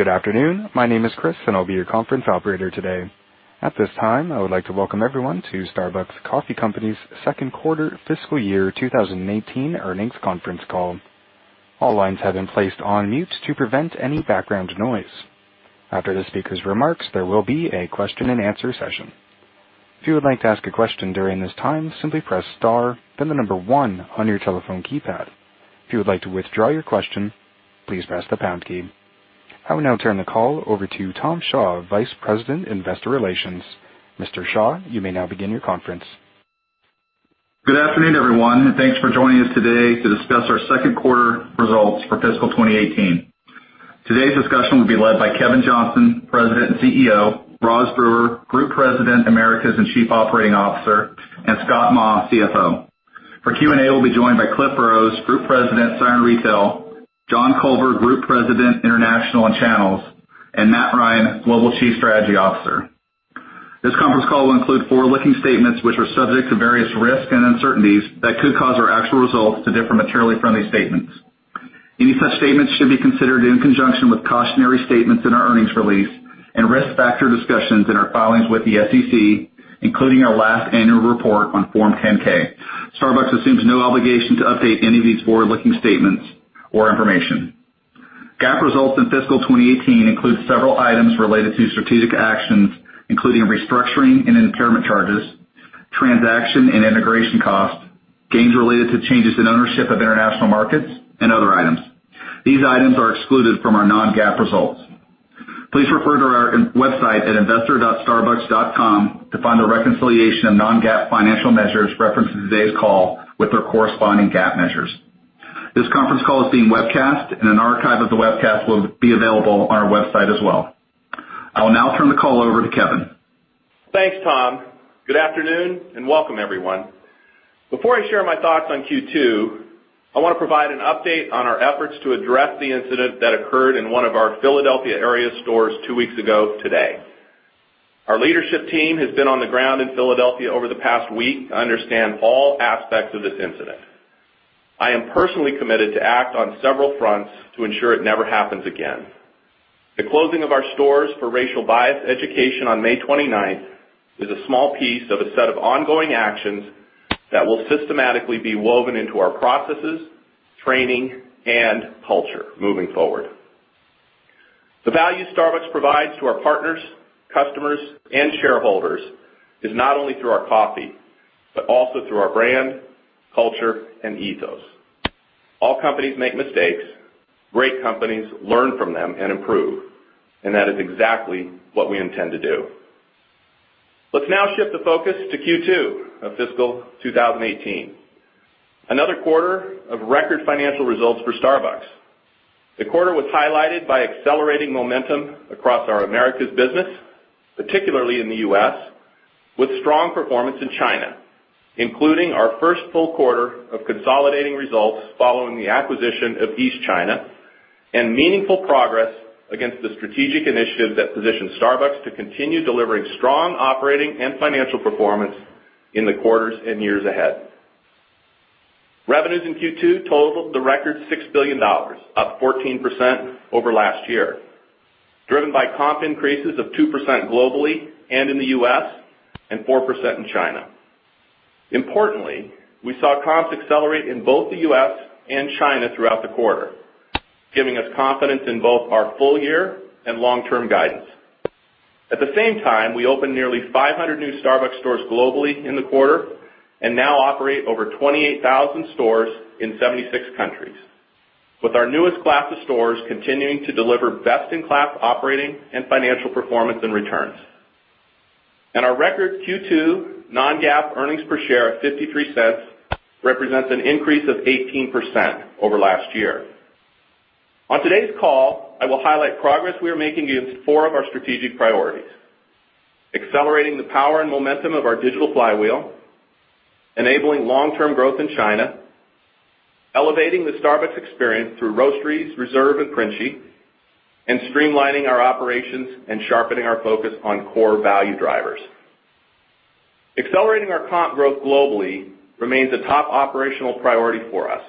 Good afternoon. My name is Chris, and I will be your conference operator today. At this time, I would like to welcome everyone to Starbucks Coffee Company's second quarter fiscal year 2018 earnings conference call. All lines have been placed on mute to prevent any background noise. After the speaker's remarks, there will be a question-and-answer session. If you would like to ask a question during this time, simply press star, then the number one on your telephone keypad. If you would like to withdraw your question, please press the pound key. I will now turn the call over to Tom Shaw, Vice President, Investor Relations. Mr. Shaw, you may now begin your conference. Good afternoon, everyone. Thanks for joining us today to discuss our second quarter results for fiscal 2018. Today's discussion will be led by Kevin Johnson, President and CEO, Roz Brewer, Group President, Americas and Chief Operating Officer, and Scott Maw, CFO. For Q&A, we'll be joined by Cliff Burrows, Group President, Siren Retail, John Culver, Group President, International and Channels, and Matt Ryan, Global Chief Strategy Officer. This conference call will include forward-looking statements which are subject to various risks and uncertainties that could cause our actual results to differ materially from these statements. Any such statements should be considered in conjunction with cautionary statements in our earnings release and risk factor discussions in our filings with the SEC, including our last annual report on Form 10-K. Starbucks assumes no obligation to update any of these forward-looking statements or information. GAAP results in fiscal 2018 includes several items related to strategic actions, including restructuring and impairment charges, transaction and integration costs, gains related to changes in ownership of international markets, and other items. These items are excluded from our non-GAAP results. Please refer to our website at investor.starbucks.com to find a reconciliation of non-GAAP financial measures referenced in today's call with their corresponding GAAP measures. This conference call is being webcast. An archive of the webcast will be available on our website as well. I will now turn the call over to Kevin. Thanks, Tom. Good afternoon. Welcome everyone. Before I share my thoughts on Q2, I want to provide an update on our efforts to address the incident that occurred in one of our Philadelphia area stores two weeks ago today. Our leadership team has been on the ground in Philadelphia over the past week to understand all aspects of this incident. I am personally committed to act on several fronts to ensure it never happens again. The closing of our stores for racial bias education on May 29th is a small piece of a set of ongoing actions that will systematically be woven into our processes, training, and culture moving forward. The value Starbucks provides to our partners, customers, and shareholders is not only through our coffee but also through our brand, culture, and ethos. All companies make mistakes. Great companies learn from them and improve, that is exactly what we intend to do. Let's now shift the focus to Q2 of fiscal 2018. Another quarter of record financial results for Starbucks. The quarter was highlighted by accelerating momentum across our Americas business, particularly in the U.S., with strong performance in China, including our first full quarter of consolidating results following the acquisition of East China and meaningful progress against the strategic initiatives that position Starbucks to continue delivering strong operating and financial performance in the quarters and years ahead. Revenues in Q2 totaled a record $6 billion, up 14% over last year, driven by comp increases of 2% globally and in the U.S. and 4% in China. Importantly, we saw comps accelerate in both the U.S. and China throughout the quarter, giving us confidence in both our full year and long-term guidance. At the same time, we opened nearly 500 new Starbucks stores globally in the quarter and now operate over 28,000 stores in 76 countries. With our newest class of stores continuing to deliver best-in-class operating and financial performance and returns. Our record Q2 non-GAAP earnings per share of $0.53 represents an increase of 18% over last year. On today's call, I will highlight progress we are making against four of our strategic priorities. Accelerating the power and momentum of our Digital Flywheel, enabling long-term growth in China, elevating the Starbucks experience through Roasteries, Reserve, and Princi, streamlining our operations and sharpening our focus on core value drivers. Accelerating our comp growth globally remains a top operational priority for us,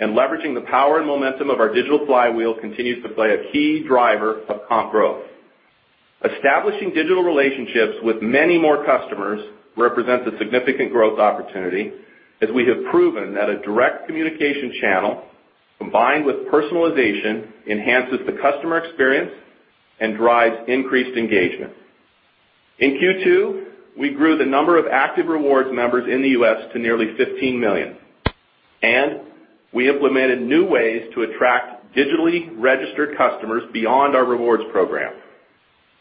leveraging the power and momentum of our Digital Flywheel continues to play a key driver of comp growth. Establishing digital relationships with many more customers represents a significant growth opportunity as we have proven that a direct communication channel, combined with personalization, enhances the customer experience and drives increased engagement. In Q2, we grew the number of active rewards members in the U.S. to nearly 15 million, we implemented new ways to attract digitally registered customers beyond our rewards program.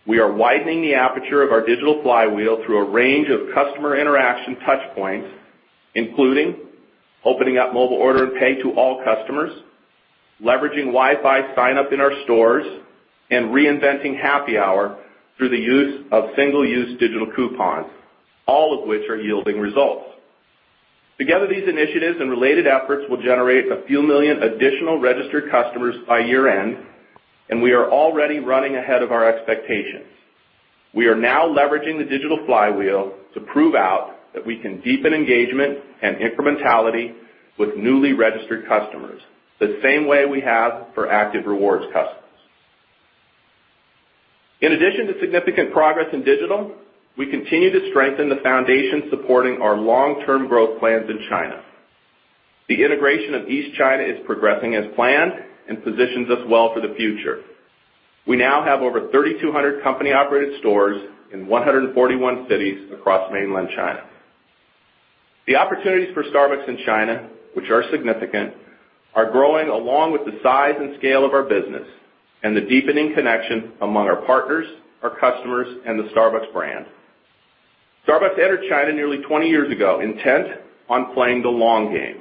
We are widening the aperture of our Digital Flywheel through a range of customer interaction touchpoints, including opening up Mobile Order & Pay to all customers, leveraging Wi-Fi sign-up in our stores, and reinventing Happy Hour through the use of single-use digital coupons, all of which are yielding results. Together, these initiatives and related efforts will generate a few million additional registered customers by year-end, we are already running ahead of our expectations. We are now leveraging the Digital Flywheel to prove out that we can deepen engagement and incrementality with newly registered customers, the same way we have for active rewards customers. In addition to significant progress in digital, we continue to strengthen the foundation supporting our long-term growth plans in China. The integration of East China is progressing as planned and positions us well for the future. We now have over 3,200 company-operated stores in 141 cities across mainland China. The opportunities for Starbucks in China, which are significant, are growing along with the size and scale of our business and the deepening connection among our partners, our customers, and the Starbucks brand. Starbucks entered China nearly 20 years ago intent on playing the long game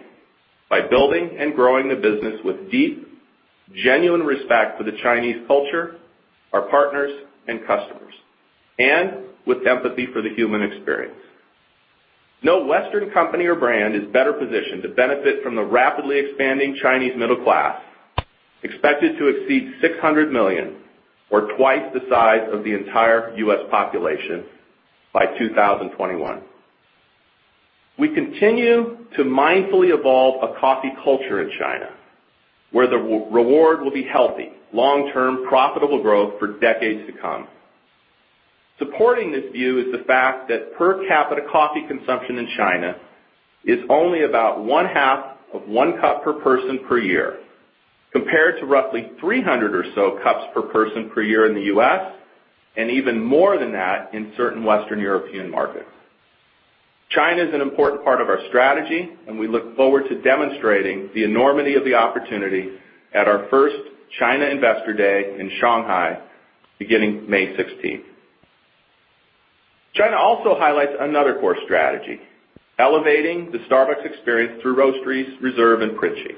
by building and growing the business with deep, genuine respect for the Chinese culture, our partners and customers, and with empathy for the human experience. No Western company or brand is better positioned to benefit from the rapidly expanding Chinese middle class, expected to exceed 600 million, or twice the size of the entire U.S. population, by 2021. We continue to mindfully evolve a coffee culture in China, where the reward will be healthy, long-term, profitable growth for decades to come. Supporting this view is the fact that per capita coffee consumption in China is only about one half of one cup per person per year, compared to roughly 300 or so cups per person per year in the U.S., and even more than that in certain Western European markets. China's an important part of our strategy. We look forward to demonstrating the enormity of the opportunity at our first China Investor Day in Shanghai beginning May 16th. China also highlights another core strategy, elevating the Starbucks experience through Roasteries, Reserve, and Princi.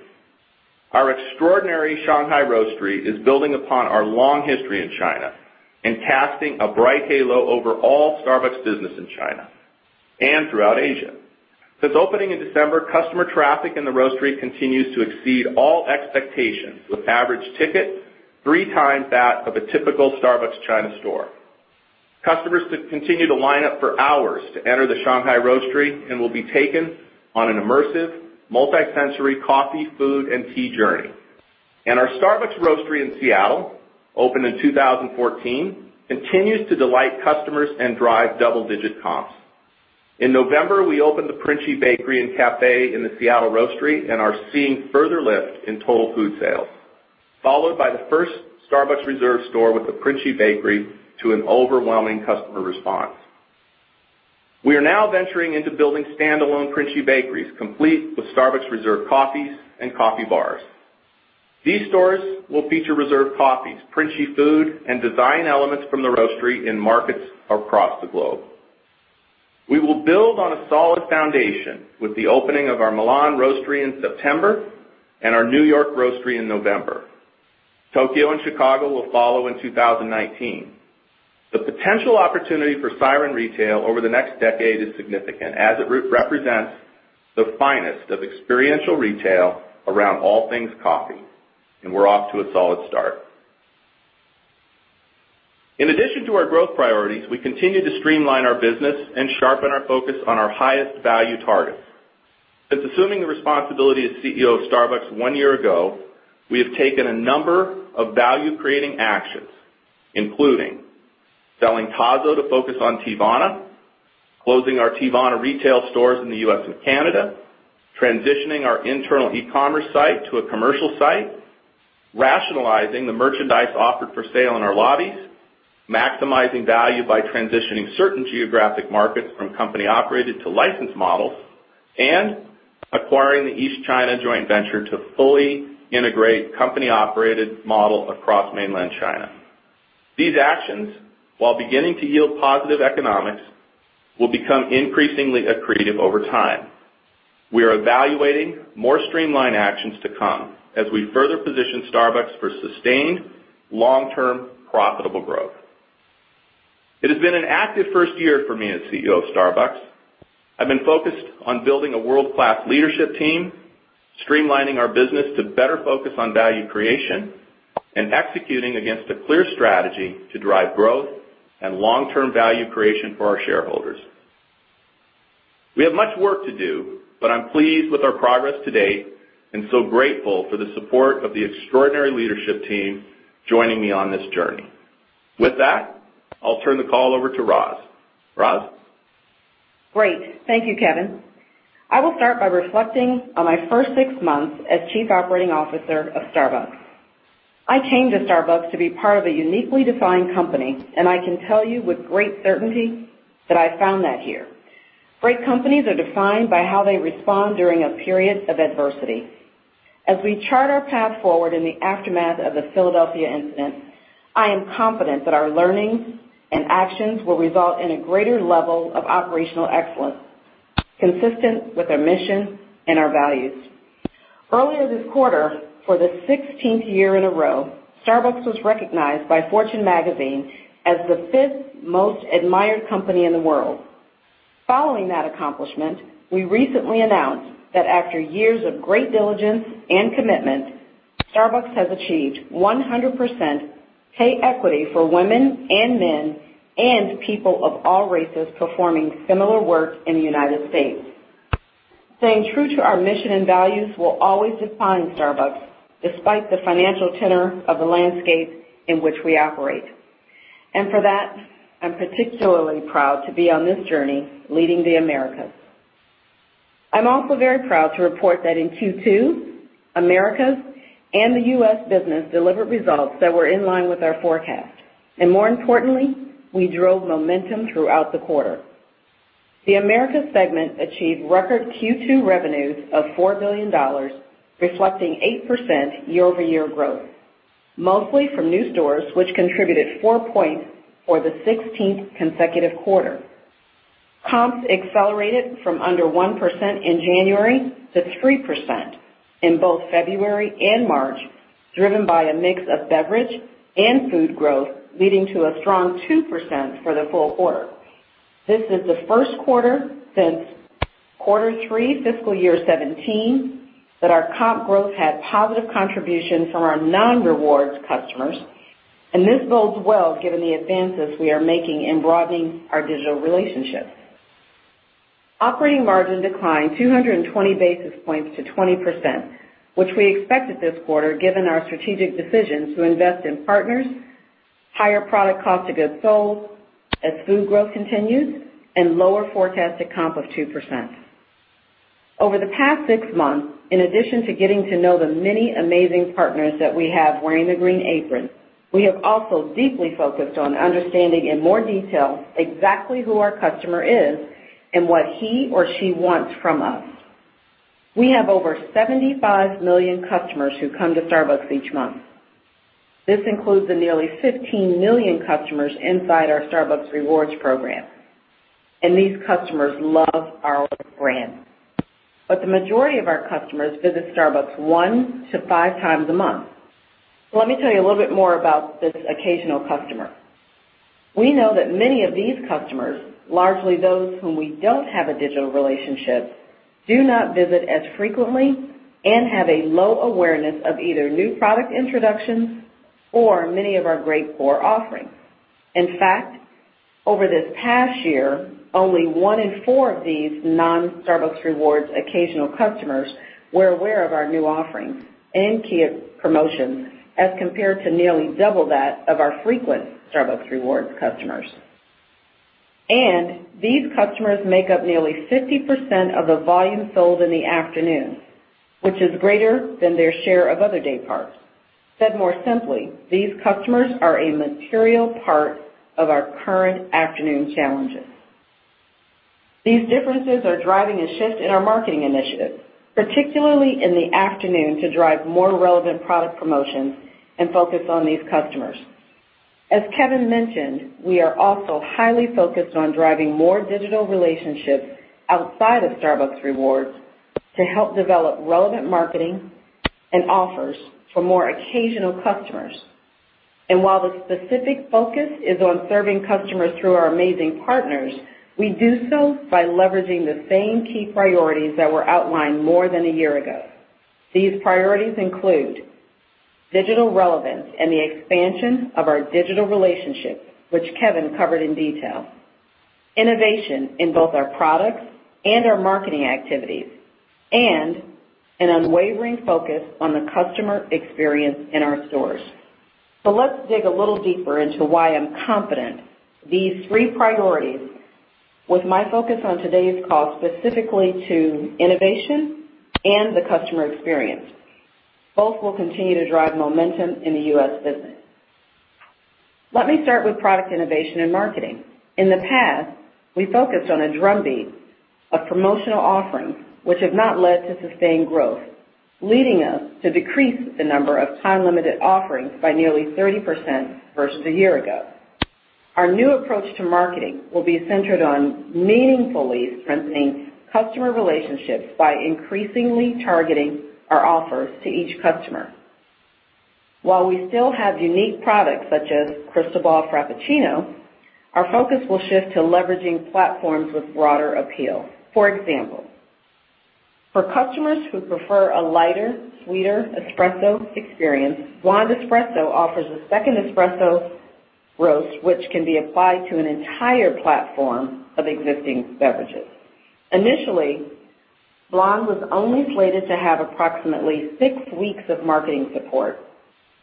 Our extraordinary Shanghai Roastery is building upon our long history in China and casting a bright halo over all Starbucks business in China and throughout Asia. Since opening in December, customer traffic in the Roastery continues to exceed all expectations, with average ticket three times that of a typical Starbucks China store. Customers continue to line up for hours to enter the Shanghai Roastery and will be taken on an immersive, multi-sensory coffee, food, and tea journey. Our Starbucks Roastery in Seattle, opened in 2014, continues to delight customers and drive double-digit comps. In November, we opened the Princi bakery and café in the Seattle Roastery and are seeing further lift in total food sales, followed by the first Starbucks Reserve store with the Princi bakery to an overwhelming customer response. We are now venturing into building standalone Princi bakeries, complete with Starbucks Reserve coffees and coffee bars. These stores will feature Reserve coffees, Princi food, and design elements from the Roastery in markets across the globe. We will build on a solid foundation with the opening of our Milan Roastery in September and our New York Roastery in November. Tokyo and Chicago will follow in 2019. The potential opportunity for Siren Retail over the next decade is significant, as it represents the finest of experiential retail around all things coffee. We're off to a solid start. In addition to our growth priorities, we continue to streamline our business and sharpen our focus on our highest value targets. Since assuming the responsibility as CEO of Starbucks one year ago, we have taken a number of value-creating actions, including selling Tazo to focus on Teavana, closing our Teavana retail stores in the U.S. and Canada, transitioning our internal e-commerce site to a commercial site, rationalizing the merchandise offered for sale in our lobbies, maximizing value by transitioning certain geographic markets from company-operated to licensed models, and acquiring the East China joint venture to fully integrate company-operated model across mainland China. These actions, while beginning to yield positive economics, will become increasingly accretive over time. We are evaluating more streamlined actions to come as we further position Starbucks for sustained, long-term, profitable growth. It has been an active first year for me as CEO of Starbucks. I've been focused on building a world-class leadership team, streamlining our business to better focus on value creation, and executing against a clear strategy to drive growth and long-term value creation for our shareholders. We have much work to do, but I'm pleased with our progress to date and so grateful for the support of the extraordinary leadership team joining me on this journey. With that, I'll turn the call over to Roz. Roz? Great. Thank you, Kevin. I will start by reflecting on my first six months as Chief Operating Officer of Starbucks. I came to Starbucks to be part of a uniquely defined company. I can tell you with great certainty that I found that here. Great companies are defined by how they respond during a period of adversity. As we chart our path forward in the aftermath of the Philadelphia incident, I am confident that our learnings and actions will result in a greater level of operational excellence consistent with our mission and our values. Earlier this quarter, for the 16th year in a row, Starbucks was recognized by Fortune Magazine as the fifth most admired company in the world. Following that accomplishment, we recently announced that after years of great diligence and commitment, Starbucks has achieved 100% pay equity for women and men and people of all races performing similar work in the U.S. Staying true to our mission and values will always define Starbucks, despite the financial tenor of the landscape in which we operate. For that, I'm particularly proud to be on this journey leading the Americas. I'm also very proud to report that in Q2, Americas and the U.S. business delivered results that were in line with our forecast. More importantly, we drove momentum throughout the quarter. The Americas Segment achieved record Q2 revenues of $4 billion, reflecting 8% year-over-year growth, mostly from new stores, which contributed four points for the 16th consecutive quarter. Comps accelerated from under 1% in January to 3% in both February and March, driven by a mix of beverage and food growth, leading to a strong 2% for the full quarter. This is the first quarter since quarter 3 fiscal year 2017 that our comp growth had positive contribution from our non-Rewards customers. This bodes well given the advances we are making in broadening our digital relationships. Operating margin declined 220 basis points to 20%, which we expected this quarter given our strategic decisions to invest in partners, higher product Cost of Goods Sold as food growth continues, and lower forecasted comp of 2%. Over the past six months, in addition to getting to know the many amazing partners that we have wearing the Green Apron, we have also deeply focused on understanding in more detail exactly who our customer is and what he or she wants from us. We have over 75 million customers who come to Starbucks each month. This includes the nearly 15 million customers inside our Starbucks Rewards program. These customers love our brand. The majority of our customers visit Starbucks one to five times a month. Let me tell you a little bit more about this occasional customer. We know that many of these customers, largely those whom we don't have a digital relationship, do not visit as frequently and have a low awareness of either new product introductions or many of our great core offerings. In fact, over this past year, only one in four of these non-Starbucks Rewards occasional customers were aware of our new offerings and key promotions as compared to nearly double that of our frequent Starbucks Rewards customers. These customers make up nearly 50% of the volume sold in the afternoon, which is greater than their share of other day parts. Said more simply, these customers are a material part of our current afternoon challenges. These differences are driving a shift in our marketing initiatives, particularly in the afternoon to drive more relevant product promotions and focus on these customers. As Kevin mentioned, we are also highly focused on driving more digital relationships outside of Starbucks Rewards to help develop relevant marketing and offers for more occasional customers. While the specific focus is on serving customers through our amazing partners, we do so by leveraging the same key priorities that were outlined more than a year ago. These priorities include digital relevance and the expansion of our digital relationships, which Kevin covered in detail; innovation in both our products and our marketing activities; and an unwavering focus on the customer experience in our stores. Let's dig a little deeper into why I'm confident these three priorities, with my focus on today's call specifically to innovation and the customer experience, both will continue to drive momentum in the U.S. business. Let me start with product innovation and marketing. In the past, we focused on a drumbeat of promotional offerings, which have not led to sustained growth, leading us to decrease the number of time-limited offerings by nearly 30% versus a year ago. Our new approach to marketing will be centered on meaningfully strengthening customer relationships by increasingly targeting our offers to each customer. While we still have unique products such as Crystal Ball Frappuccino, our focus will shift to leveraging platforms with broader appeal. For example, for customers who prefer a lighter, sweeter espresso experience, Blonde Espresso offers a second espresso roast which can be applied to an entire platform of existing beverages. Initially, Blonde was only slated to have approximately six weeks of marketing support.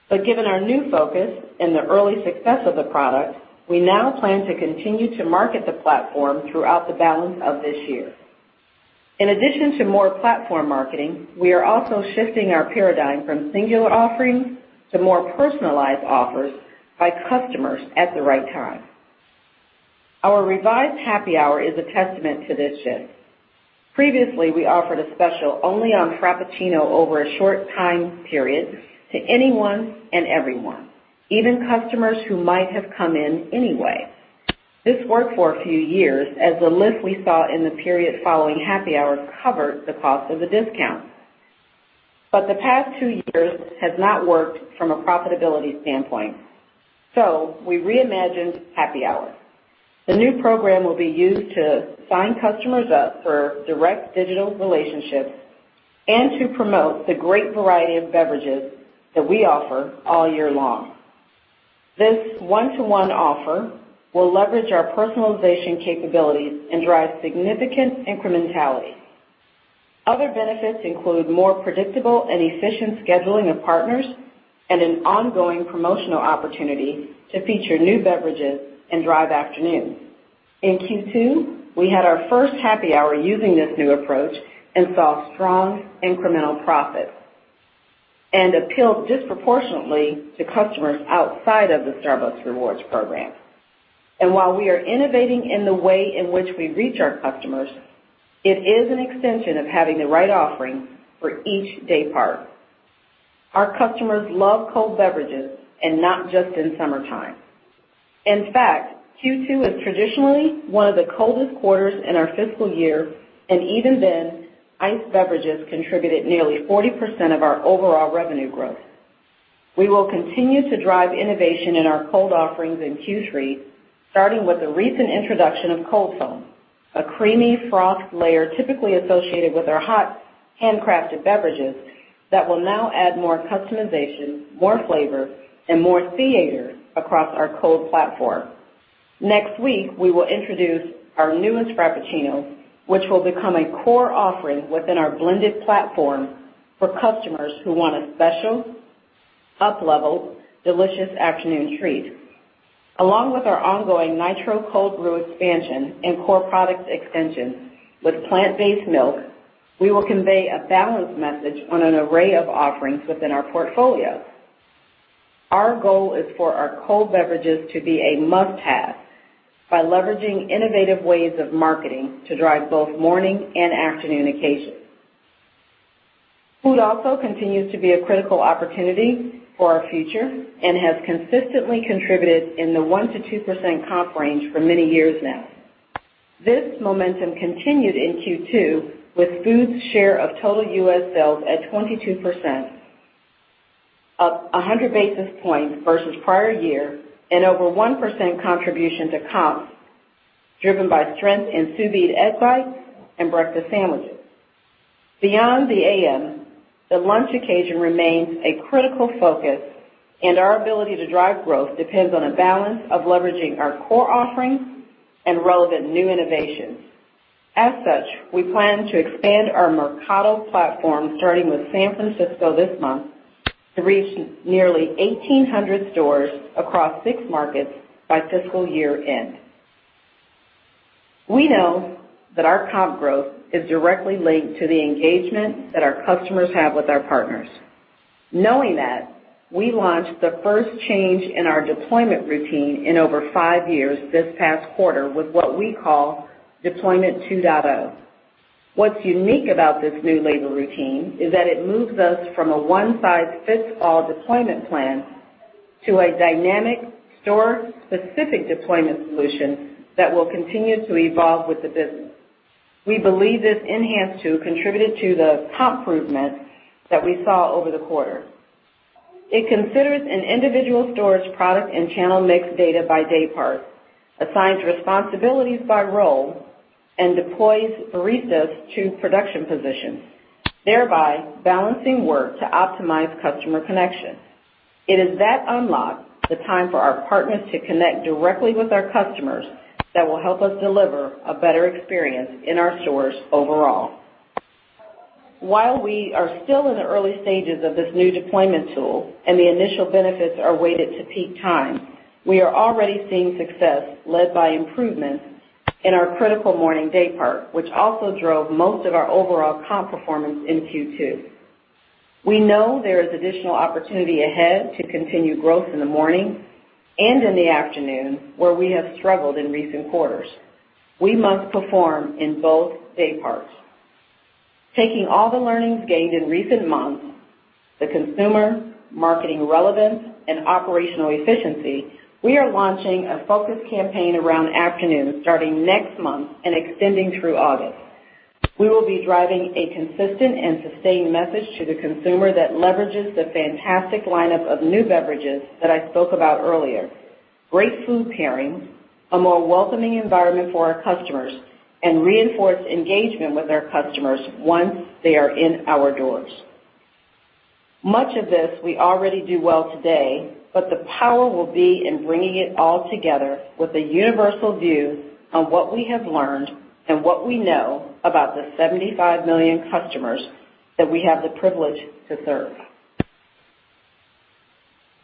Given our new focus and the early success of the product, we now plan to continue to market the platform throughout the balance of this year. In addition to more platform marketing, we are also shifting our paradigm from singular offerings to more personalized offers by customers at the right time. Our revised Happy Hour is a testament to this shift. Previously, we offered a special only on Frappuccino over a short time period to anyone and everyone, even customers who might have come in anyway. This worked for a few years as the lift we saw in the period following Happy Hour covered the cost of the discount. The past two years has not worked from a profitability standpoint. We reimagined Happy Hour. The new program will be used to sign customers up for direct digital relationships and to promote the great variety of beverages that we offer all year long. This one-to-one offer will leverage our personalization capabilities and drive significant incrementality. Other benefits include more predictable and efficient scheduling of partners and an ongoing promotional opportunity to feature new beverages and drive afternoons. In Q2, we had our first Happy Hour using this new approach and saw strong incremental profits, and appealed disproportionately to customers outside of the Starbucks Rewards program. While we are innovating in the way in which we reach our customers, it is an extension of having the right offering for each day part. Our customers love cold beverages, and not just in summertime. In fact, Q2 is traditionally one of the coldest quarters in our fiscal year, and even then, iced beverages contributed nearly 40% of our overall revenue growth. We will continue to drive innovation in our cold offerings in Q3, starting with the recent introduction of Cold Foam, a creamy froth layer typically associated with our hot handcrafted beverages that will now add more customization, more flavor, and more theater across our cold platform. Next week, we will introduce our newest Frappuccino, which will become a core offering within our blended platform for customers who want a special, up-level, delicious afternoon treat. Along with our ongoing Nitro Cold Brew expansion and core product extension with plant-based milk, we will convey a balanced message on an array of offerings within our portfolio. Our goal is for our cold beverages to be a must-have by leveraging innovative ways of marketing to drive both morning and afternoon occasions. Food also continues to be a critical opportunity for our future and has consistently contributed in the 1%-2% comp range for many years now. This momentum continued in Q2 with food's share of total U.S. sales at 22%, up 100 basis points versus prior year, and over 1% contribution to comps, driven by strength in Sous Vide Egg Bites and breakfast sandwiches. Beyond the AM, the lunch occasion remains a critical focus, and our ability to drive growth depends on a balance of leveraging our core offerings and relevant new innovations. As such, we plan to expand our Mercato platform, starting with San Francisco this month, to reach nearly 1,800 stores across six markets by fiscal year-end. We know that our comp growth is directly linked to the engagement that our customers have with our partners. Knowing that, we launched the first change in our deployment routine in over five years this past quarter with what we call Deployment 2.0. What's unique about this new labor routine is that it moves us from a one-size-fits-all deployment plan to a dynamic, store-specific deployment solution that will continue to evolve with the business. We believe this enhanced tool contributed to the comp improvement that we saw over the quarter. It considers an individual store's product and channel mix data by day part, assigns responsibilities by role, and deploys baristas to production positions, thereby balancing work to optimize customer connection. It is that unlock, the time for our partners to connect directly with our customers, that will help us deliver a better experience in our stores overall. While we are still in the early stages of this new deployment tool and the initial benefits are weighted to peak time, we are already seeing success led by improvements in our critical morning day part, which also drove most of our overall comp performance in Q2. We know there is additional opportunity ahead to continue growth in the morning and in the afternoon, where we have struggled in recent quarters. We must perform in both day parts. Taking all the learnings gained in recent months, the consumer, marketing relevance, and operational efficiency, we are launching a focused campaign around afternoon starting next month and extending through August. We will be driving a consistent and sustained message to the consumer that leverages the fantastic lineup of new beverages that I spoke about earlier, great food pairing, a more welcoming environment for our customers, and reinforced engagement with our customers once they are in our doors. Much of this we already do well today, but the power will be in bringing it all together with a universal view on what we have learned and what we know about the 75 million customers that we have the privilege to serve.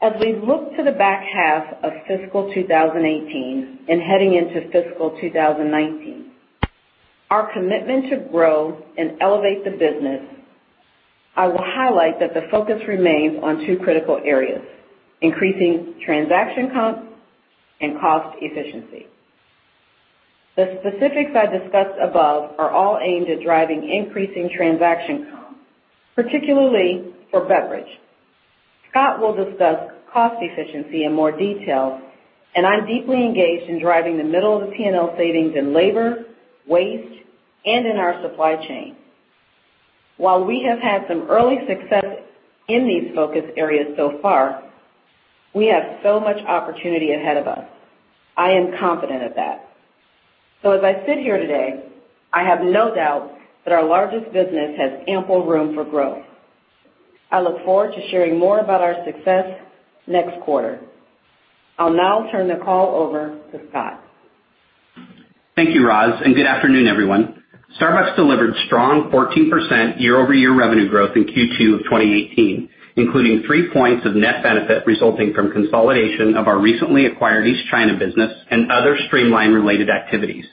As we look to the back half of fiscal 2018 and heading into fiscal 2019, our commitment to grow and elevate the business, I will highlight that the focus remains on two critical areas, increasing transaction count and cost efficiency. The specifics I discussed above are all aimed at driving increasing transaction count, particularly for beverage. Scott will discuss cost efficiency in more detail, and I'm deeply engaged in driving the middle-of-the-P&L savings in labor, waste, and in our supply chain. While we have had some early success in these focus areas so far, we have so much opportunity ahead of us. I am confident of that. As I sit here today, I have no doubt that our largest business has ample room for growth. I look forward to sharing more about our success next quarter. I'll now turn the call over to Scott. Thank you, Roz. Good afternoon, everyone. Starbucks delivered strong 14% year-over-year revenue growth in Q2 of 2018, including three points of net benefit resulting from consolidation of our recently acquired East China business and other streamline-related activities.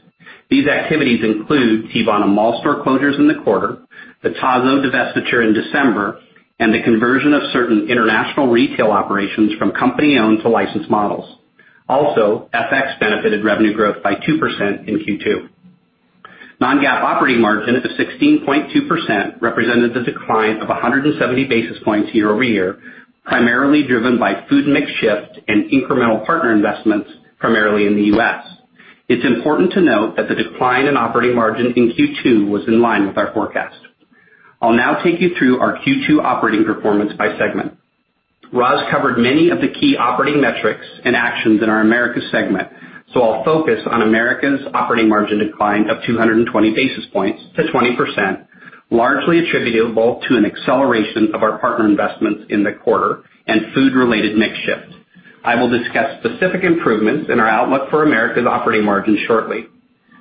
These activities include Teavana mall store closures in the quarter, the Tazo divestiture in December, and the conversion of certain international retail operations from company-owned to licensed models. Also, FX benefited revenue growth by 2% in Q2. Non-GAAP operating margin of 16.2% represented the decline of 170 basis points year-over-year, primarily driven by food mix shift and incremental partner investments primarily in the U.S. It's important to note that the decline in operating margin in Q2 was in line with our forecast. I'll now take you through our Q2 operating performance by segment. Roz covered many of the key operating metrics and actions in our Americas segment, so I'll focus on Americas operating margin decline of 220 basis points to 20%, largely attributable to an acceleration of our partner investments in the quarter and food-related mix shift. I will discuss specific improvements in our outlook for Americas operating margin shortly.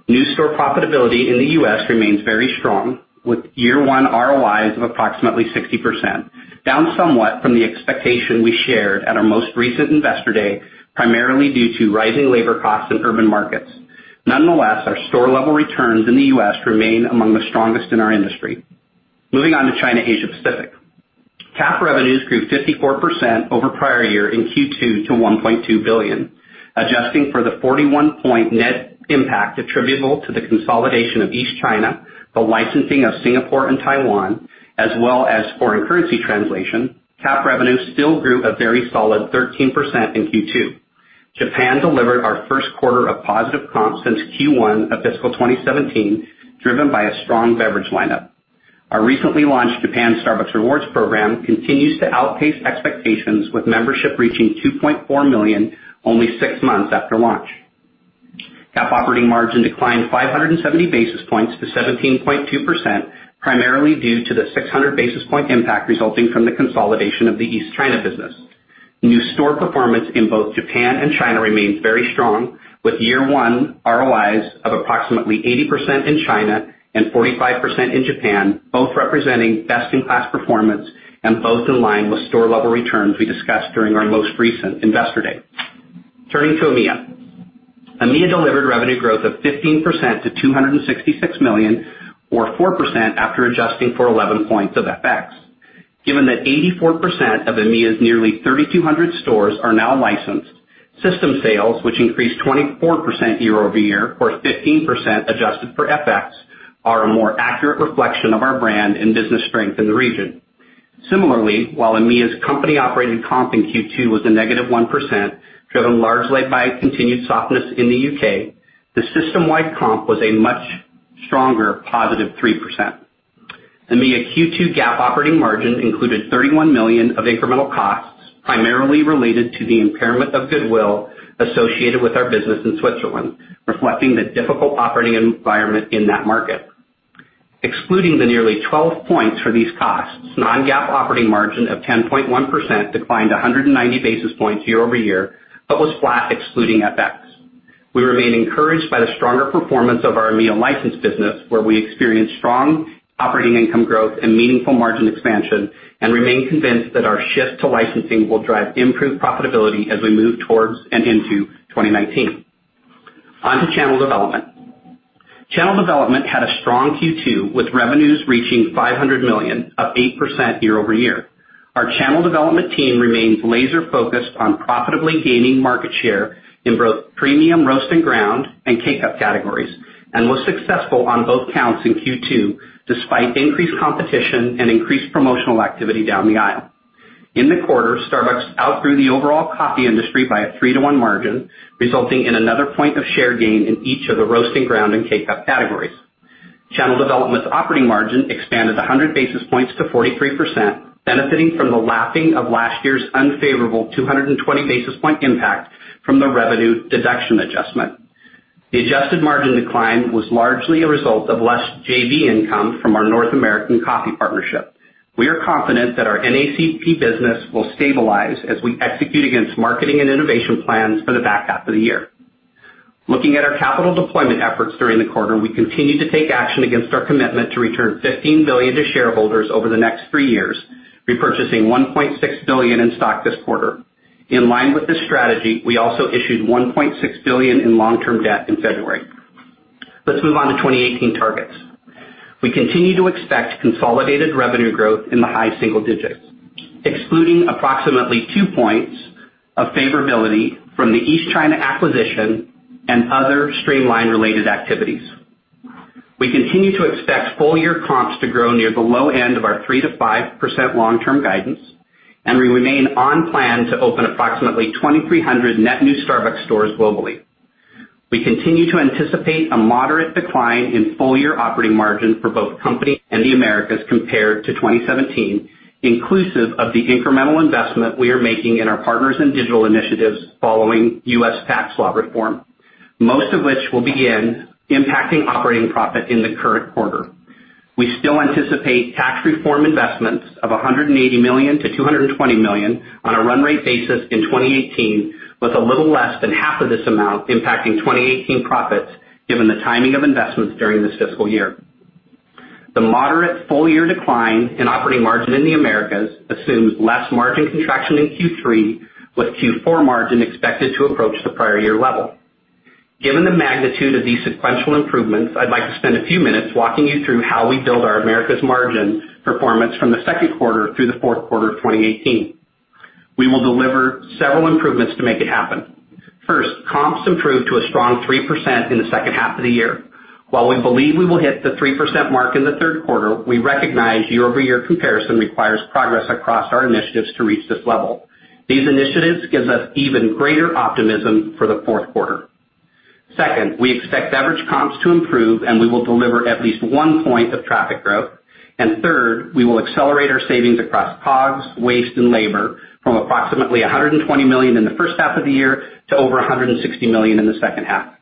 New store profitability in the U.S. remains very strong, with year-one ROIs of approximately 60%, down somewhat from the expectation we shared at our most recent Investor Day, primarily due to rising labor costs in urban markets. Nonetheless, our store-level returns in the U.S. remain among the strongest in our industry. Moving on to China/Asia Pacific. CAP revenues grew 54% over prior year in Q2 to $1.2 billion. Adjusting for the 41-point net impact attributable to the consolidation of East China, the licensing of Singapore and Taiwan, as well as foreign currency translation, CAP revenue still grew a very solid 13% in Q2. Japan delivered our first quarter of positive comps since Q1 of fiscal 2017, driven by a strong beverage lineup. Our recently launched Japan Starbucks Rewards program continues to outpace expectations, with membership reaching 2.4 million only six months after launch. CAP operating margin declined 570 basis points to 17.2%, primarily due to the 600 basis point impact resulting from the consolidation of the East China business. New store performance in both Japan and China remains very strong, with year-one ROIs of approximately 80% in China and 45% in Japan, both representing best-in-class performance and both in line with store-level returns we discussed during our most recent Investor Day. Turning to EMEA. EMEA delivered revenue growth of 15% to $266 million, or 4% after adjusting for 11 points of FX. Given that 84% of EMEA's nearly 3,200 stores are now licensed, system sales, which increased 24% year-over-year, or 15% adjusted for FX, are a more accurate reflection of our brand and business strength in the region. Similarly, while EMEA's company-operated comp in Q2 was a negative 1%, driven largely by continued softness in the U.K., the system-wide comp was a much stronger positive 3%. EMEA Q2 GAAP operating margin included $31 million of incremental costs, primarily related to the impairment of goodwill associated with our business in Switzerland, reflecting the difficult operating environment in that market. Excluding the nearly 12 points for these costs, non-GAAP operating margin of 10.1% declined 190 basis points year-over-year, but was flat excluding FX. We remain encouraged by the stronger performance of our EMEA licensed business, where we experienced strong operating income growth and meaningful margin expansion and remain convinced that our shift to licensing will drive improved profitability as we move towards and into 2019. On to Channel Development. Channel Development had a strong Q2, with revenues reaching $500 million, up 8% year-over-year. Our Channel Development team remains laser-focused on profitably gaining market share in both premium roast and ground and K-Cup categories and was successful on both counts in Q2, despite increased competition and increased promotional activity down the aisle. In the quarter, Starbucks outgrew the overall coffee industry by a three-to-one margin, resulting in another point of share gain in each of the roast and ground and K-Cup categories. Channel Development's operating margin expanded 100 basis points to 43%, benefiting from the lapping of last year's unfavorable 220-basis-point impact from the revenue deduction adjustment. The adjusted margin decline was largely a result of less JV income from our North American Coffee Partnership. We are confident that our NACP business will stabilize as we execute against marketing and innovation plans for the back half of the year. Looking at our capital deployment efforts during the quarter, we continue to take action against our commitment to return $15 billion to shareholders over the next three years, repurchasing $1.6 billion in stock this quarter. In line with this strategy, we also issued $1.6 billion in long-term debt in February. Let's move on to 2018 targets. We continue to expect consolidated revenue growth in the high single digits, excluding approximately two points of favorability from the East China acquisition and other streamline-related activities. We continue to expect full-year comps to grow near the low end of our 3%-5% long-term guidance, and we remain on plan to open approximately 2,300 net new Starbucks stores globally. We continue to anticipate a moderate decline in full-year operating margin for both company and the Americas compared to 2017, inclusive of the incremental investment we are making in our partners in digital initiatives following U.S. tax law reform, most of which will begin impacting operating profit in the current quarter. We still anticipate tax reform investments of $180 million-$220 million on a run rate basis in 2018, with a little less than half of this amount impacting 2018 profits, given the timing of investments during this fiscal year. The moderate full-year decline in operating margin in the Americas assumes less margin contraction in Q3, with Q4 margin expected to approach the prior year level. Given the magnitude of these sequential improvements, I'd like to spend a few minutes walking you through how we build our Americas margin performance from the second quarter through the fourth quarter of 2018. We will deliver several improvements to make it happen. First, comps improved to a strong 3% in the second half of the year. While we believe we will hit the 3% mark in the third quarter, we recognize year-over-year comparison requires progress across our initiatives to reach this level. These initiatives give us even greater optimism for the fourth quarter. Second, we expect beverage comps to improve, and we will deliver at least one point of traffic growth. Third, we will accelerate our savings across COGS, waste, and labor from approximately $120 million in the first half of the year to over $160 million in the second half.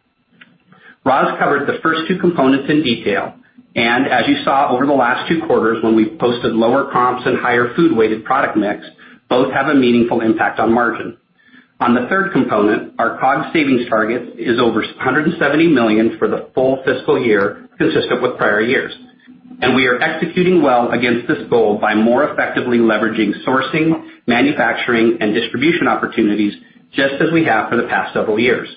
Roz covered the first two components in detail. As you saw over the last two quarters when we posted lower comps and higher food-weighted product mix, both have a meaningful impact on margin. On the third component, our COGS savings target is over $170 million for the full fiscal year, consistent with prior years. We are executing well against this goal by more effectively leveraging sourcing, manufacturing, and distribution opportunities, just as we have for the past several years.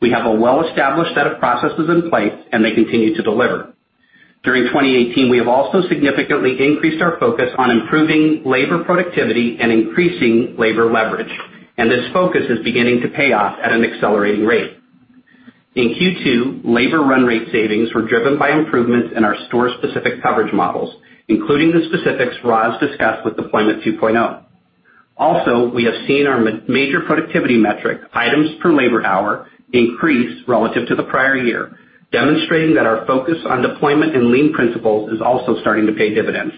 We have a well-established set of processes in place, and they continue to deliver. During 2018, we have also significantly increased our focus on improving labor productivity and increasing labor leverage, and this focus is beginning to pay off at an accelerating rate. In Q2, labor run rate savings were driven by improvements in our store-specific coverage models, including the specifics Roz discussed with Deployment 2.0. We have seen our major productivity metric, items per labor hour, increase relative to the prior year, demonstrating that our focus on deployment and lean principles is also starting to pay dividends.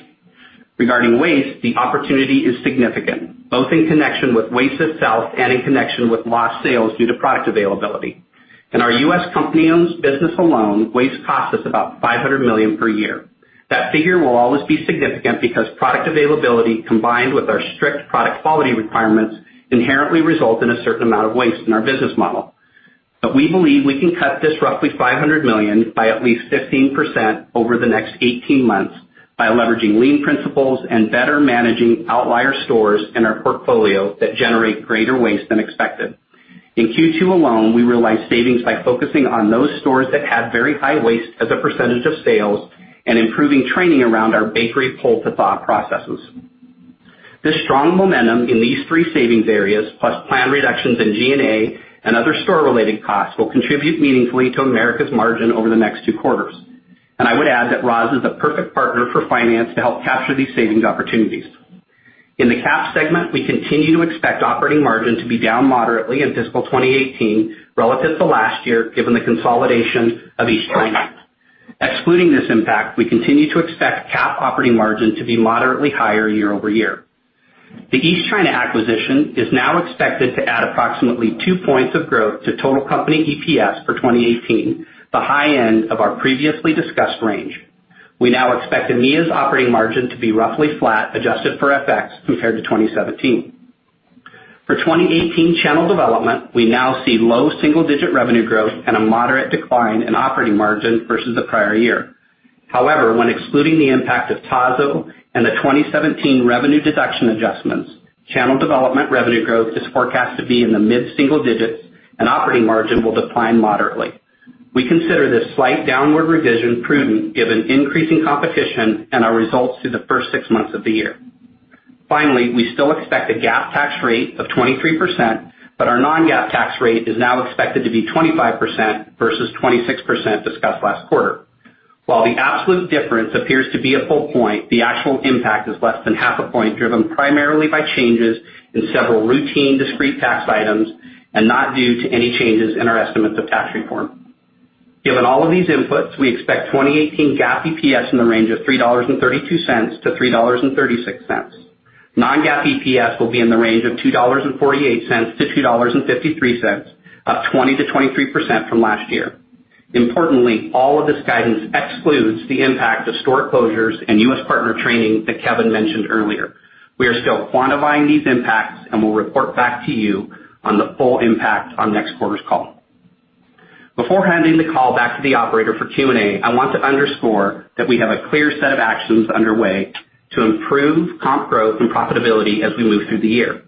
Regarding waste, the opportunity is significant, both in connection with waste itself and in connection with lost sales due to product availability. In our U.S. company-owned business alone, waste costs us about $500 million per year. That figure will always be significant because product availability, combined with our strict product quality requirements, inherently result in a certain amount of waste in our business model. We believe we can cut this roughly $500 million by at least 15% over the next 18 months by leveraging lean principles and better managing outlier stores in our portfolio that generate greater waste than expected. In Q2 alone, we realized savings by focusing on those stores that had very high waste as a percentage of sales and improving training around our bakery pull-to-par processes. This strong momentum in these three savings areas, plus planned reductions in G&A and other store-related costs, will contribute meaningfully to Americas margin over the next two quarters. I would add that Roz is the perfect partner for finance to help capture these savings opportunities. In the CAP segment, we continue to expect operating margin to be down moderately in fiscal 2018 relative to last year, given the consolidation of East China. Excluding this impact, we continue to expect CAP operating margin to be moderately higher year-over-year. The East China acquisition is now expected to add approximately two points of growth to total company EPS for 2018, the high end of our previously discussed range. We now expect EMEA's operating margin to be roughly flat, adjusted for FX, compared to 2017. For 2018 Channel Development, we now see low single-digit revenue growth and a moderate decline in operating margin versus the prior year. However, when excluding the impact of Tazo and the 2017 revenue deduction adjustments, Channel Development revenue growth is forecast to be in the mid-single digits and operating margin will decline moderately. We consider this slight downward revision prudent, given increasing competition and our results through the first six months of the year. We still expect a GAAP tax rate of 23%, but our non-GAAP tax rate is now expected to be 25% versus 26% discussed last quarter. While the absolute difference appears to be a full point, the actual impact is less than half a point, driven primarily by changes in several routine discrete tax items and not due to any changes in our estimates of tax reform. Given all of these inputs, we expect 2018 GAAP EPS in the range of $3.32-$3.36. Non-GAAP EPS will be in the range of $2.48-$2.53, up 20%-23% from last year. Importantly, all of this guidance excludes the impact of store closures and U.S. partner training that Kevin mentioned earlier. We are still quantifying these impacts and will report back to you on the full impact on next quarter's call. Before handing the call back to the operator for Q&A, I want to underscore that we have a clear set of actions underway to improve comp growth and profitability as we move through the year,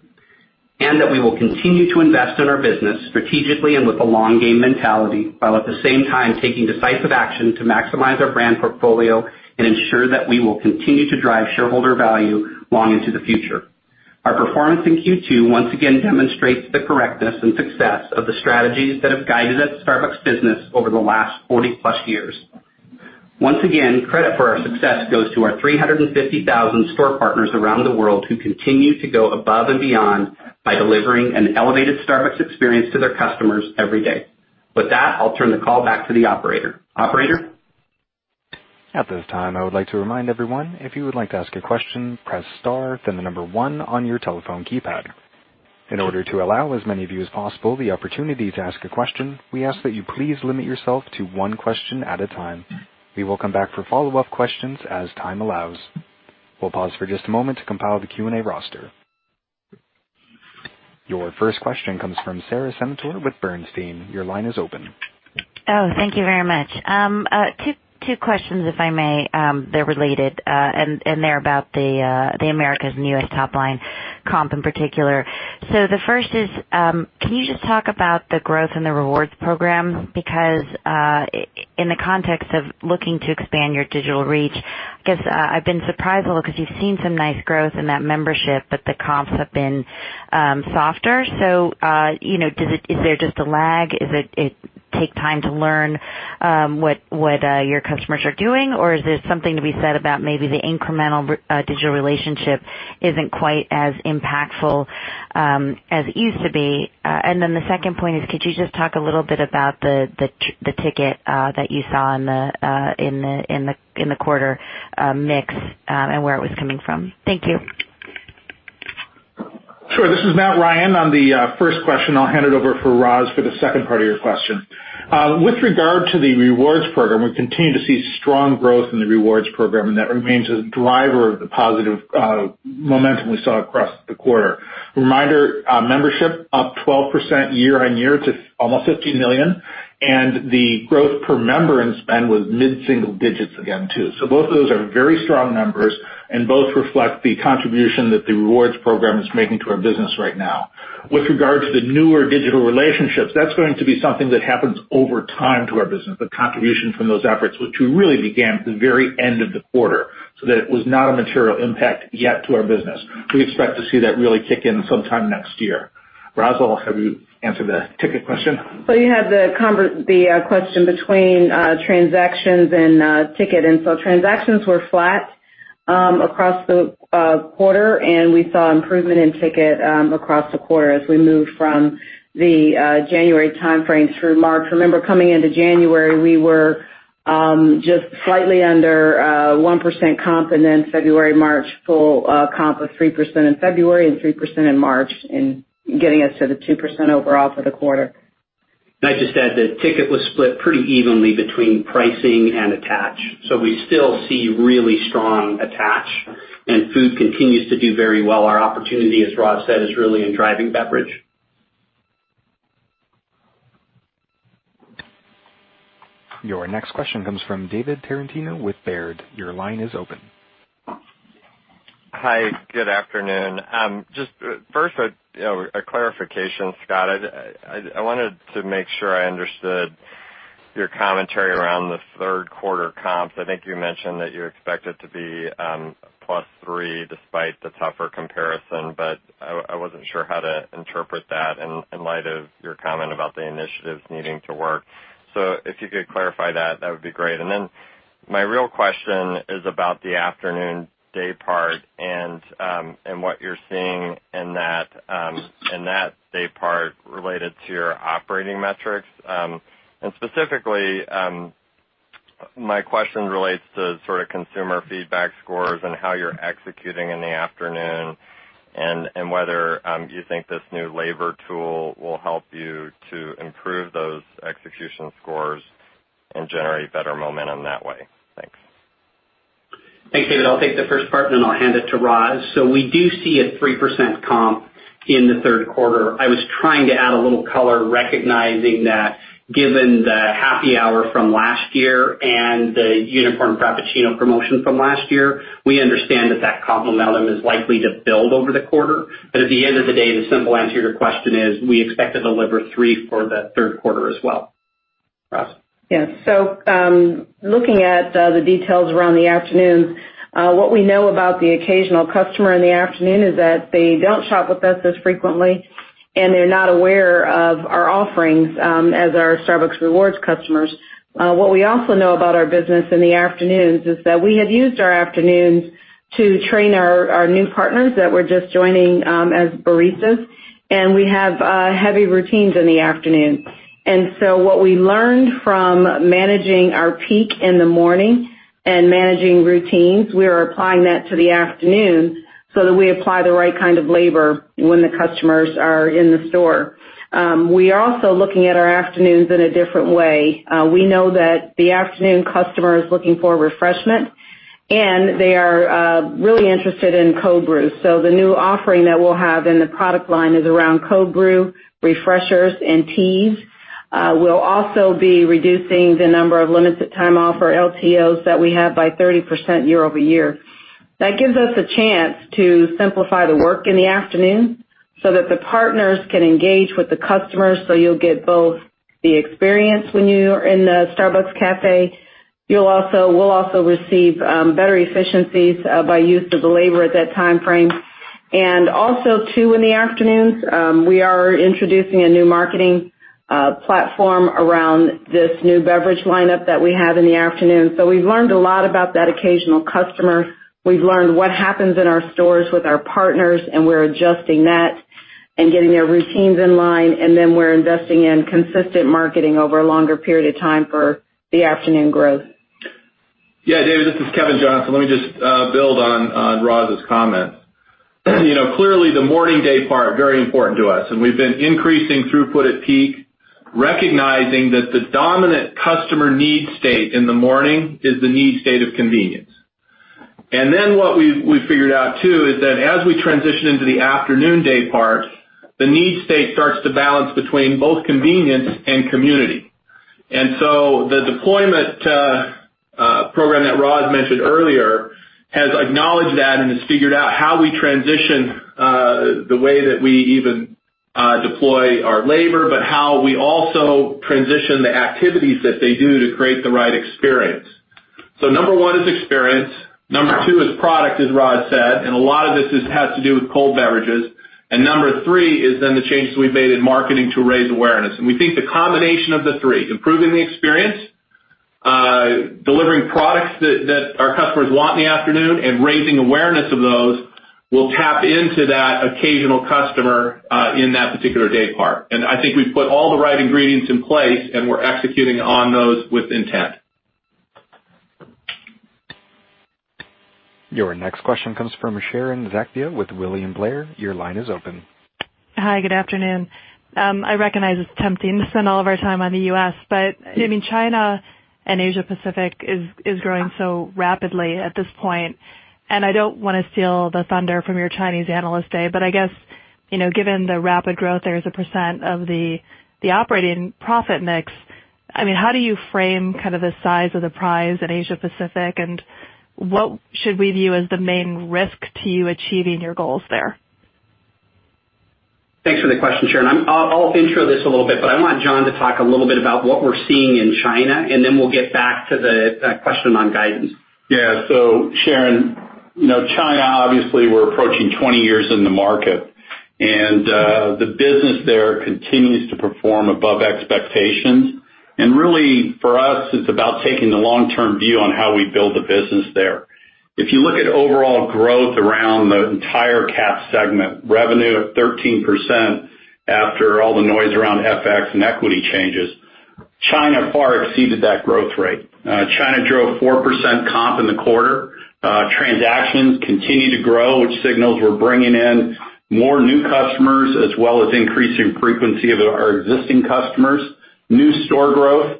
and that we will continue to invest in our business strategically and with a long game mentality, while at the same time taking decisive action to maximize our brand portfolio and ensure that we will continue to drive shareholder value long into the future. Our performance in Q2 once again demonstrates the correctness and success of the strategies that have guided the Starbucks business over the last 40-plus years. Once again, credit for our success goes to our 350,000 store partners around the world who continue to go above and beyond by delivering an elevated Starbucks experience to their customers every day. With that, I'll turn the call back to the operator. Operator? At this time, I would like to remind everyone, if you would like to ask a question, press star, then the number one on your telephone keypad. In order to allow as many of you as possible the opportunity to ask a question, we ask that you please limit yourself to one question at a time. We will come back for follow-up questions as time allows. We will pause for just a moment to compile the Q&A roster. Your first question comes from Sara Senatore with Bernstein. Your line is open. Oh, thank you very much. Two questions, if I may. They're related, and they're about the Americas and U.S. top line comp in particular. The first is, can you just talk about the growth in the rewards program? In the context of looking to expand your digital reach, I guess I've been surprised a little because you've seen some nice growth in that membership, the comps have been softer. Is there just a lag? Is it take time to learn what your customers are doing? Or is there something to be said about maybe the incremental digital relationship isn't quite as impactful as it used to be? The second point is, could you just talk a little bit about the ticket that you saw in the quarter mix, and where it was coming from? Thank you. Sure. This is Matt Ryan on the first question. I'll hand it over for Roz for the second part of your question. With regard to the rewards program, we continue to see strong growth in the rewards program, and that remains a driver of the positive momentum we saw across the quarter. Reminder, membership up 12% year-on-year to almost 15 million, and the growth per member in spend was mid-single digits again, too. Both of those are very strong numbers and both reflect the contribution that the rewards program is making to our business right now. With regard to the newer digital relationships, that's going to be something that happens over time to our business, the contribution from those efforts, which we really began at the very end of the quarter. That it was not a material impact yet to our business. We expect to see that really kick in sometime next year. Roz, I'll have you answer the ticket question. You had the question between transactions and ticket. Transactions were flat across the quarter, and we saw improvement in ticket across the quarter as we moved from the January timeframes through March. Remember, coming into January, we were just slightly under 1% comp, then February, March, full comp of 3% in February and 3% in March, and getting us to the 2% overall for the quarter. Can I just add that ticket was split pretty evenly between pricing and attach. We still see really strong attach, and food continues to do very well. Our opportunity, as Roz said, is really in driving beverage. Your next question comes from David Tarantino with Baird. Your line is open. Hi. Good afternoon. First, a clarification, Scott. I wanted to make sure I understood your commentary around the third quarter comps. I think you mentioned that you expect it to be +3 despite the tougher comparison, but I wasn't sure how to interpret that in light of your comment about the initiatives needing to work. If you could clarify that would be great. My real question is about the afternoon day part and what you're seeing in that day part related to your operating metrics. Specifically, my question relates to consumer feedback scores and how you're executing in the afternoon, and whether you think this new labor tool will help you to improve those execution scores and generate better momentum that way. Thanks. Thanks, David. I'll take the first part, then I'll hand it to Roz. We do see a 3% comp in the third quarter. I was trying to add a little color recognizing that given the Happy Hour from last year and the Unicorn Frappuccino promotion from last year. We understand that that comp momentum is likely to build over the quarter. At the end of the day, the simple answer to your question is we expect to deliver 3 for the third quarter as well. Roz? Yes. Looking at the details around the afternoons, what we know about the occasional customer in the afternoon is that they don't shop with us as frequently, and they're not aware of our offerings as our Starbucks Rewards customers. What we also know about our business in the afternoons is that we had used our afternoons to train our new partners that were just joining as baristas, and we have heavy routines in the afternoon. What we learned from managing our peak in the morning and managing routines, we are applying that to the afternoons so that we apply the right kind of labor when the customers are in the store. We are also looking at our afternoons in a different way. We know that the afternoon customer is looking for refreshment, and they are really interested in cold brew. The new offering that we'll have in the product line is around cold brew, refreshers, and teas. We'll also be reducing the number of Limited-Time Offers, LTOs, that we have by 30% year-over-year. That gives us a chance to simplify the work in the afternoon so that the partners can engage with the customers, you'll get both the experience when you're in the Starbucks cafe. We'll also receive better efficiencies by use of the labor at that timeframe. Also, too, in the afternoons, we are introducing a new marketing platform around this new beverage lineup that we have in the afternoon. We've learned a lot about that occasional customer. We've learned what happens in our stores with our partners, and we're adjusting that and getting their routines in line. We're investing in consistent marketing over a longer period of time for the afternoon growth. Yeah, David, this is Kevin Johnson. Let me just build on Roz's comments. Clearly, the morning day part, very important to us. We've been increasing throughput at peak, recognizing that the dominant customer need state in the morning is the need state of convenience. What we've figured out, too, is that as we transition into the afternoon day part, the need state starts to balance between both convenience and community. The deployment program that Roz mentioned earlier has acknowledged that and has figured out how we transition the way that we even deploy our labor, but how we also transition the activities that they do to create the right experience. Number 1 is experience. Number 2 is product, as Roz said, and a lot of this has to do with cold beverages. Number 3 is then the changes we've made in marketing to raise awareness. We think the combination of the three, improving the experience, delivering products that our customers want in the afternoon, and raising awareness of those, will tap into that occasional customer in that particular day part. I think we've put all the right ingredients in place, and we're executing on those with intent. Your next question comes from Sharon Zackfia with William Blair. Your line is open. Hi. Good afternoon. I recognize it's tempting to spend all of our time on the U.S., but China and Asia Pacific is growing so rapidly at this point. I don't want to steal the thunder from your Chinese Analyst Day, but I guess, given the rapid growth there as a % of the operating profit mix, how do you frame the size of the prize in Asia Pacific, and what should we view as the main risk to you achieving your goals there? Thanks for the question, Sharon. I'll intro this a little bit, but I want John to talk a little bit about what we're seeing in China, and then we'll get back to the question on guidance. Sharon, China, obviously we're approaching 20 years in the market, and the business there continues to perform above expectations. Really, for us, it's about taking the long-term view on how we build the business there. If you look at overall growth around the entire CAP segment, revenue of 13% after all the noise around FX and equity changes, China far exceeded that growth rate. China drove 4% comp in the quarter. Transactions continued to grow, which signals we're bringing in more new customers as well as increasing frequency of our existing customers. New store growth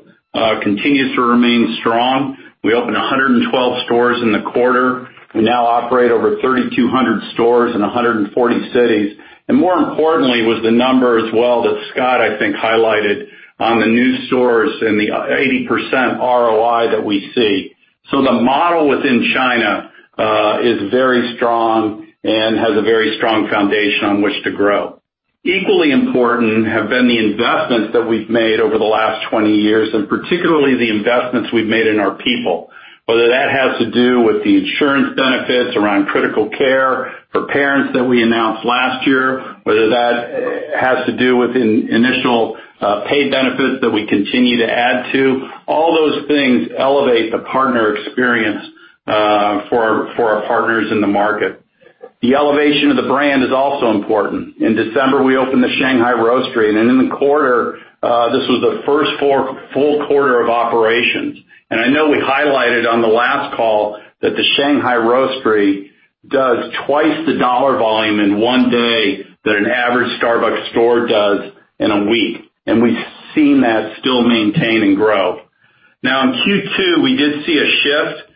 continues to remain strong. We opened 112 stores in the quarter. We now operate over 3,200 stores in 140 cities. More importantly was the number as well that Scott, I think, highlighted on the new stores and the 80% ROI that we see. The model within China is very strong and has a very strong foundation on which to grow. Equally important have been the investments that we've made over the last 20 years, and particularly the investments we've made in our people. Whether that has to do with the insurance benefits around critical care for parents that we announced last year, whether that has to do with initial paid benefits that we continue to add to, all those things elevate the partner experience for our partners in the market. The elevation of the brand is also important. In December, we opened the Shanghai Roastery. In the quarter, this was the first full quarter of operations. I know we highlighted on the last call that the Shanghai Roastery does twice the dollar volume in one day than an average Starbucks store does in a week, and we've seen that still maintain and grow. In Q2, we did see a shift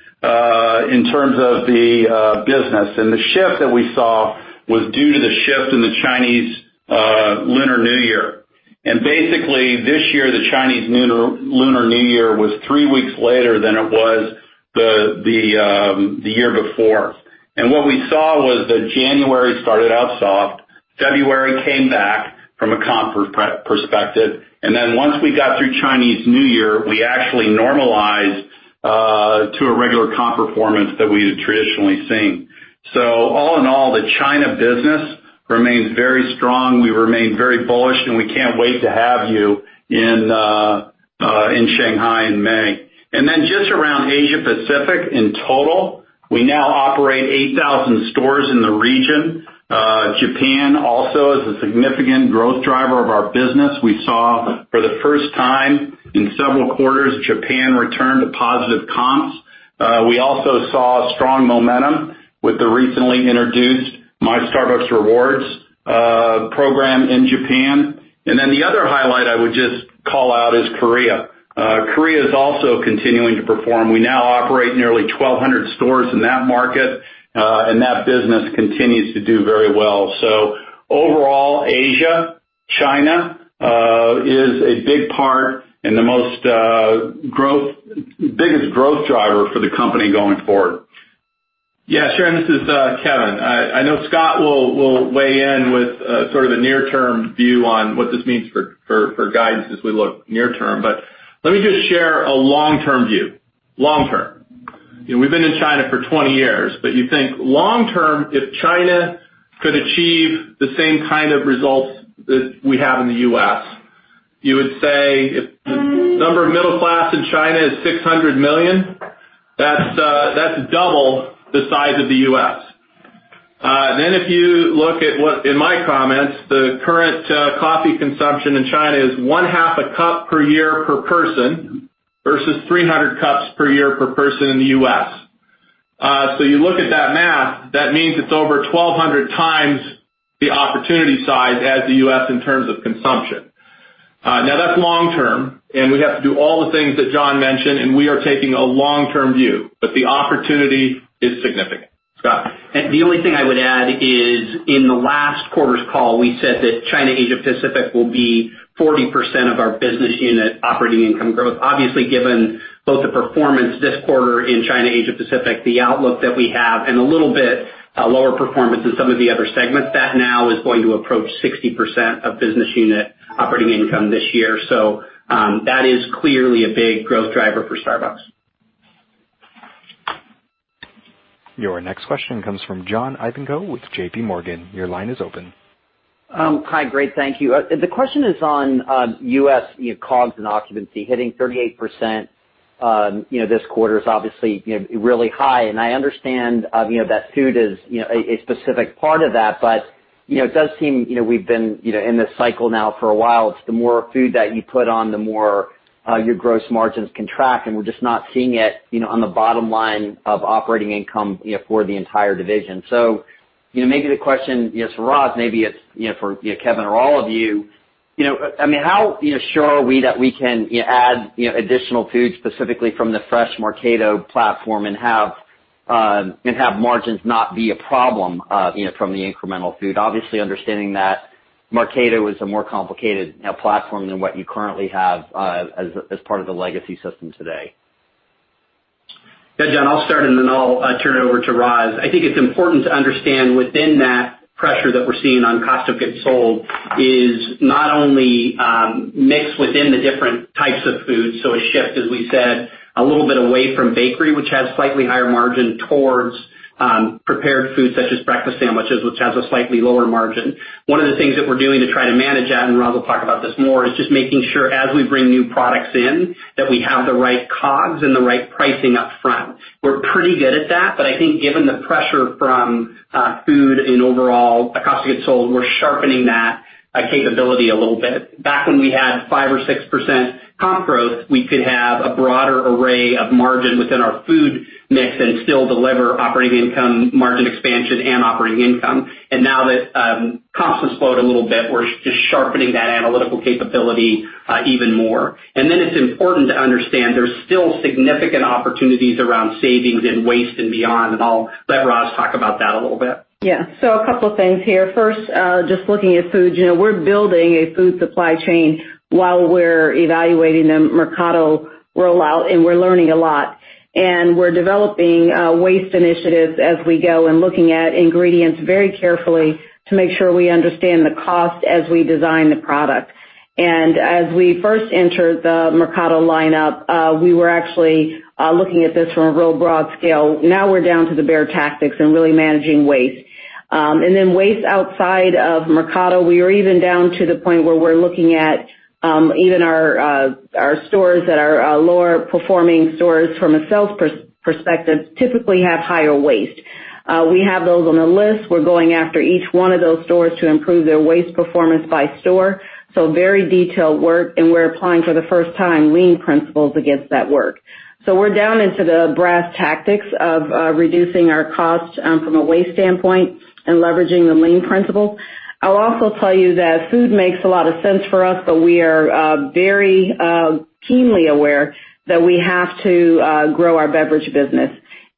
in terms of the business, and the shift that we saw was due to the shift in the Chinese Lunar New Year. Basically, this year, the Chinese Lunar New Year was three weeks later than it was the year before. What we saw was that January started out soft. February came back from a comp perspective, and then once we got through Chinese New Year, we actually normalized to a regular comp performance that we had traditionally seen. All in all, the China business remains very strong. We remain very bullish, and we can't wait to have you in Shanghai in May. Just around Asia Pacific in total, we now operate 8,000 stores in the region. Japan also is a significant growth driver of our business. We saw for the first time in several quarters, Japan return to positive comps. We also saw strong momentum with the recently introduced Starbucks Rewards program in Japan. The other highlight I would just call out is Korea. Korea is also continuing to perform. We now operate nearly 1,200 stores in that market, and that business continues to do very well. Overall, Asia, China is a big part and the biggest growth driver for the company going forward. Yeah, sure. This is Kevin. I know Scott will weigh in with the near-term view on what this means for guidance as we look near term. Let me just share a long-term view. Long term. We've been in China for 20 years, but you think long term, if China could achieve the same kind of results that we have in the U.S., you would say if the number of middle class in China is 600 million, that's double the size of the U.S. If you look at what, in my comments, the current coffee consumption in China is one half a cup per year per person versus 300 cups per year per person in the U.S. You look at that math, that means it's over 1,200 times the opportunity size as the U.S. in terms of consumption. That's long term, and we'd have to do all the things that John mentioned, and we are taking a long-term view. The opportunity is significant. Scott. The only thing I would add is in the last quarter's call, we said that China, Asia Pacific will be 40% of our business unit operating income growth. Obviously, given both the performance this quarter in China, Asia Pacific, the outlook that we have, and a little bit lower performance in some of the other segments, that now is going to approach 60% of business unit operating income this year. That is clearly a big growth driver for Starbucks. Your next question comes from John Ivankoe with J.P. Morgan. Your line is open. Hi. Great. Thank you. The question is on U.S. COGS and occupancy hitting 38% this quarter is obviously really high, and I understand that food is a specific part of that. It does seem we've been in this cycle now for a while. It's the more food that you put on, the more your gross margins contract, and we're just not seeing it on the bottom line of operating income for the entire division. Maybe the question is for Roz, maybe it's for Kevin or all of you. How sure are we that we can add additional food specifically from the fresh Mercato platform and have margins not be a problem from the incremental food? Obviously, understanding that Mercato is a more complicated platform than what you currently have as part of the legacy system today. Yeah, John, I'll start and then I'll turn it over to Roz. I think it's important to understand within that pressure that we're seeing on cost of goods sold is not only mixed within the different types of foods, a shift, as we said, a little bit away from bakery, which has slightly higher margin towards prepared food such as breakfast sandwiches, which has a slightly lower margin. One of the things that we're doing to try to manage that, and Roz will talk about this more, is just making sure as we bring new products in, that we have the right COGS and the right pricing up front. We're pretty good at that, I think given the pressure from food and overall cost of goods sold, we're sharpening that capability a little bit. Back when we had 5% or 6% comp growth, we could have a broader array of margin within our food mix and still deliver operating income margin expansion and operating income. Now that comps have slowed a little bit, we're just sharpening that analytical capability even more. It's important to understand there's still significant opportunities around savings and waste and beyond, and I'll let Roz talk about that a little bit. Yeah. A couple of things here. First, just looking at food. We're building a food supply chain while we're evaluating the Mercato rollout, and we're learning a lot. We're developing waste initiatives as we go and looking at ingredients very carefully to make sure we understand the cost as we design the product. As we first entered the Mercato lineup, we were actually looking at this from a real broad scale. Now we're down to the bare tactics and really managing waste. Waste outside of Mercato, we are even down to the point where we're looking at even our stores that are lower performing stores from a sales perspective, typically have higher waste. We have those on the list. We're going after each one of those stores to improve their waste performance by store. Very detailed work, and we're applying for the first time lean principles against that work. We're down into the brass tactics of reducing our cost from a waste standpoint and leveraging the lean principles. I'll also tell you that food makes a lot of sense for us, but we are very keenly aware that we have to grow our beverage business,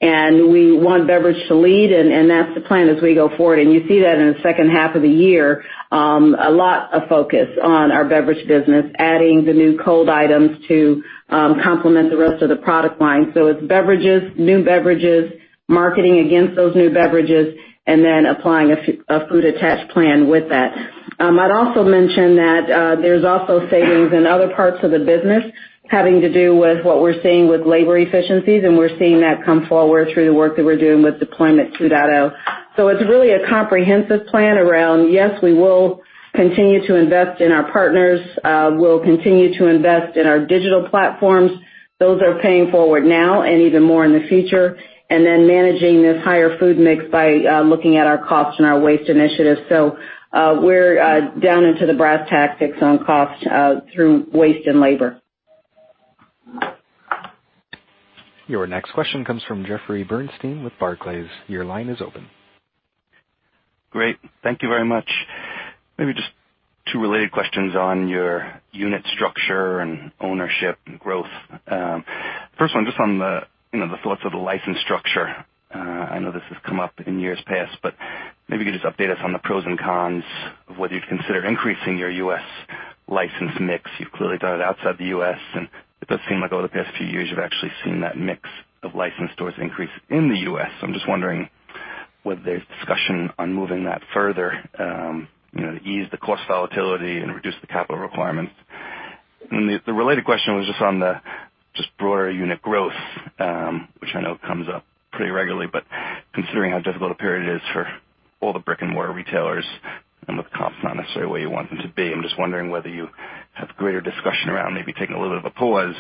and we want beverage to lead, and that's the plan as we go forward. You see that in the second half of the year, a lot of focus on our beverage business, adding the new cold items to complement the rest of the product line. It's beverages, new beverages, marketing against those new beverages, and then applying a food attach plan with that. I'd also mention that there's also savings in other parts of the business having to do with what we're seeing with labor efficiencies, and we're seeing that come forward through the work that we're doing with Deployment 2.0. It's really a comprehensive plan around, yes, we will continue to invest in our partners. We'll continue to invest in our digital platforms. Those are paying forward now and even more in the future, and then managing this higher food mix by looking at our costs and our waste initiatives. We're down into the brass tactics on cost through waste and labor. Your next question comes from Jeffrey Bernstein with Barclays. Your line is open. Great. Thank you very much. Maybe just two related questions on your unit structure and ownership and growth. First one, just on the thoughts of the license structure. I know this has come up in years past, but maybe you could just update us on the pros and cons of whether you'd consider increasing your U.S. License mix. You've clearly done it outside the U.S., and it does seem like over the past few years, you've actually seen that mix of licensed stores increase in the U.S. I'm just wondering whether there's discussion on moving that further, to ease the cost volatility and reduce the capital requirements. The related question was just on the just broader unit growth, which I know comes up pretty regularly, but considering how difficult a period it is for all the brick-and-mortar retailers and with comps not necessarily where you want them to be, I'm just wondering whether you have greater discussion around maybe taking a little bit of a pause.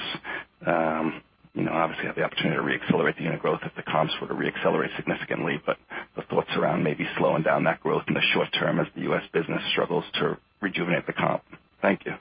Obviously, you have the opportunity to re-accelerate the unit growth if the comps were to re-accelerate significantly, but the thoughts around maybe slowing down that growth in the short term as the U.S. business struggles to rejuvenate the comp. Thank you.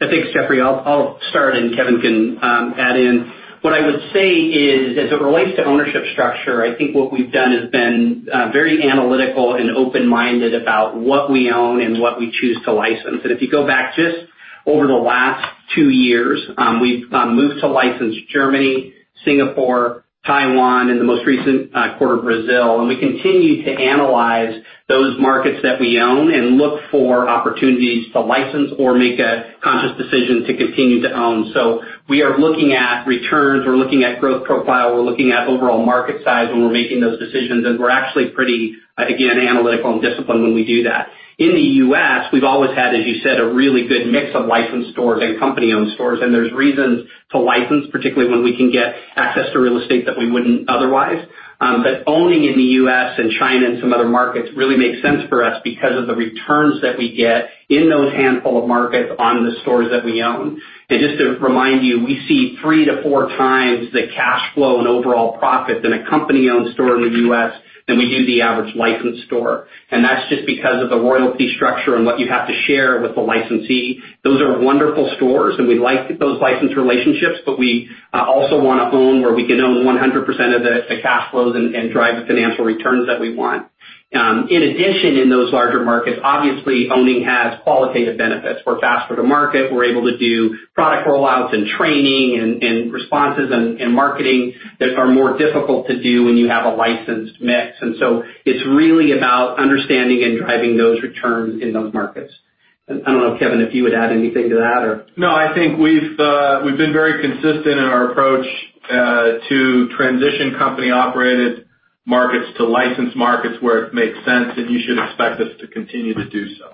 Thanks, Jeffrey. I'll start, and Kevin can add in. What I would say is, as it relates to ownership structure, I think what we've done has been very analytical and open-minded about what we own and what we choose to license. If you go back just over the last two years, we've moved to license Germany, Singapore, Taiwan, in the most recent quarter, Brazil, and we continue to analyze those markets that we own and look for opportunities to license or make a conscious decision to continue to own. We are looking at returns, we're looking at growth profile, we're looking at overall market size when we're making those decisions, and we're actually pretty, again, analytical and disciplined when we do that. In the U.S., we've always had, as you said, a really good mix of licensed stores and company-owned stores. There's reasons to license, particularly when we can get access to real estate that we wouldn't otherwise. Owning in the U.S. and China and some other markets really makes sense for us because of the returns that we get in those handful of markets on the stores that we own. Just to remind you, we see three to four times the cash flow and overall profit in a company-owned store in the U.S. than we do the average licensed store. That's just because of the royalty structure and what you have to share with the licensee. Those are wonderful stores. We like those license relationships, but we also want to own where we can own 100% of the cash flows and drive the financial returns that we want. In addition, in those larger markets, obviously, owning has qualitative benefits. We're faster to market. We're able to do product rollouts and training and responses and marketing that are more difficult to do when you have a licensed mix. It's really about understanding and driving those returns in those markets. I don't know, Kevin, if you would add anything to that or. No, I think we've been very consistent in our approach to transition company-operated markets to licensed markets where it makes sense. You should expect us to continue to do so.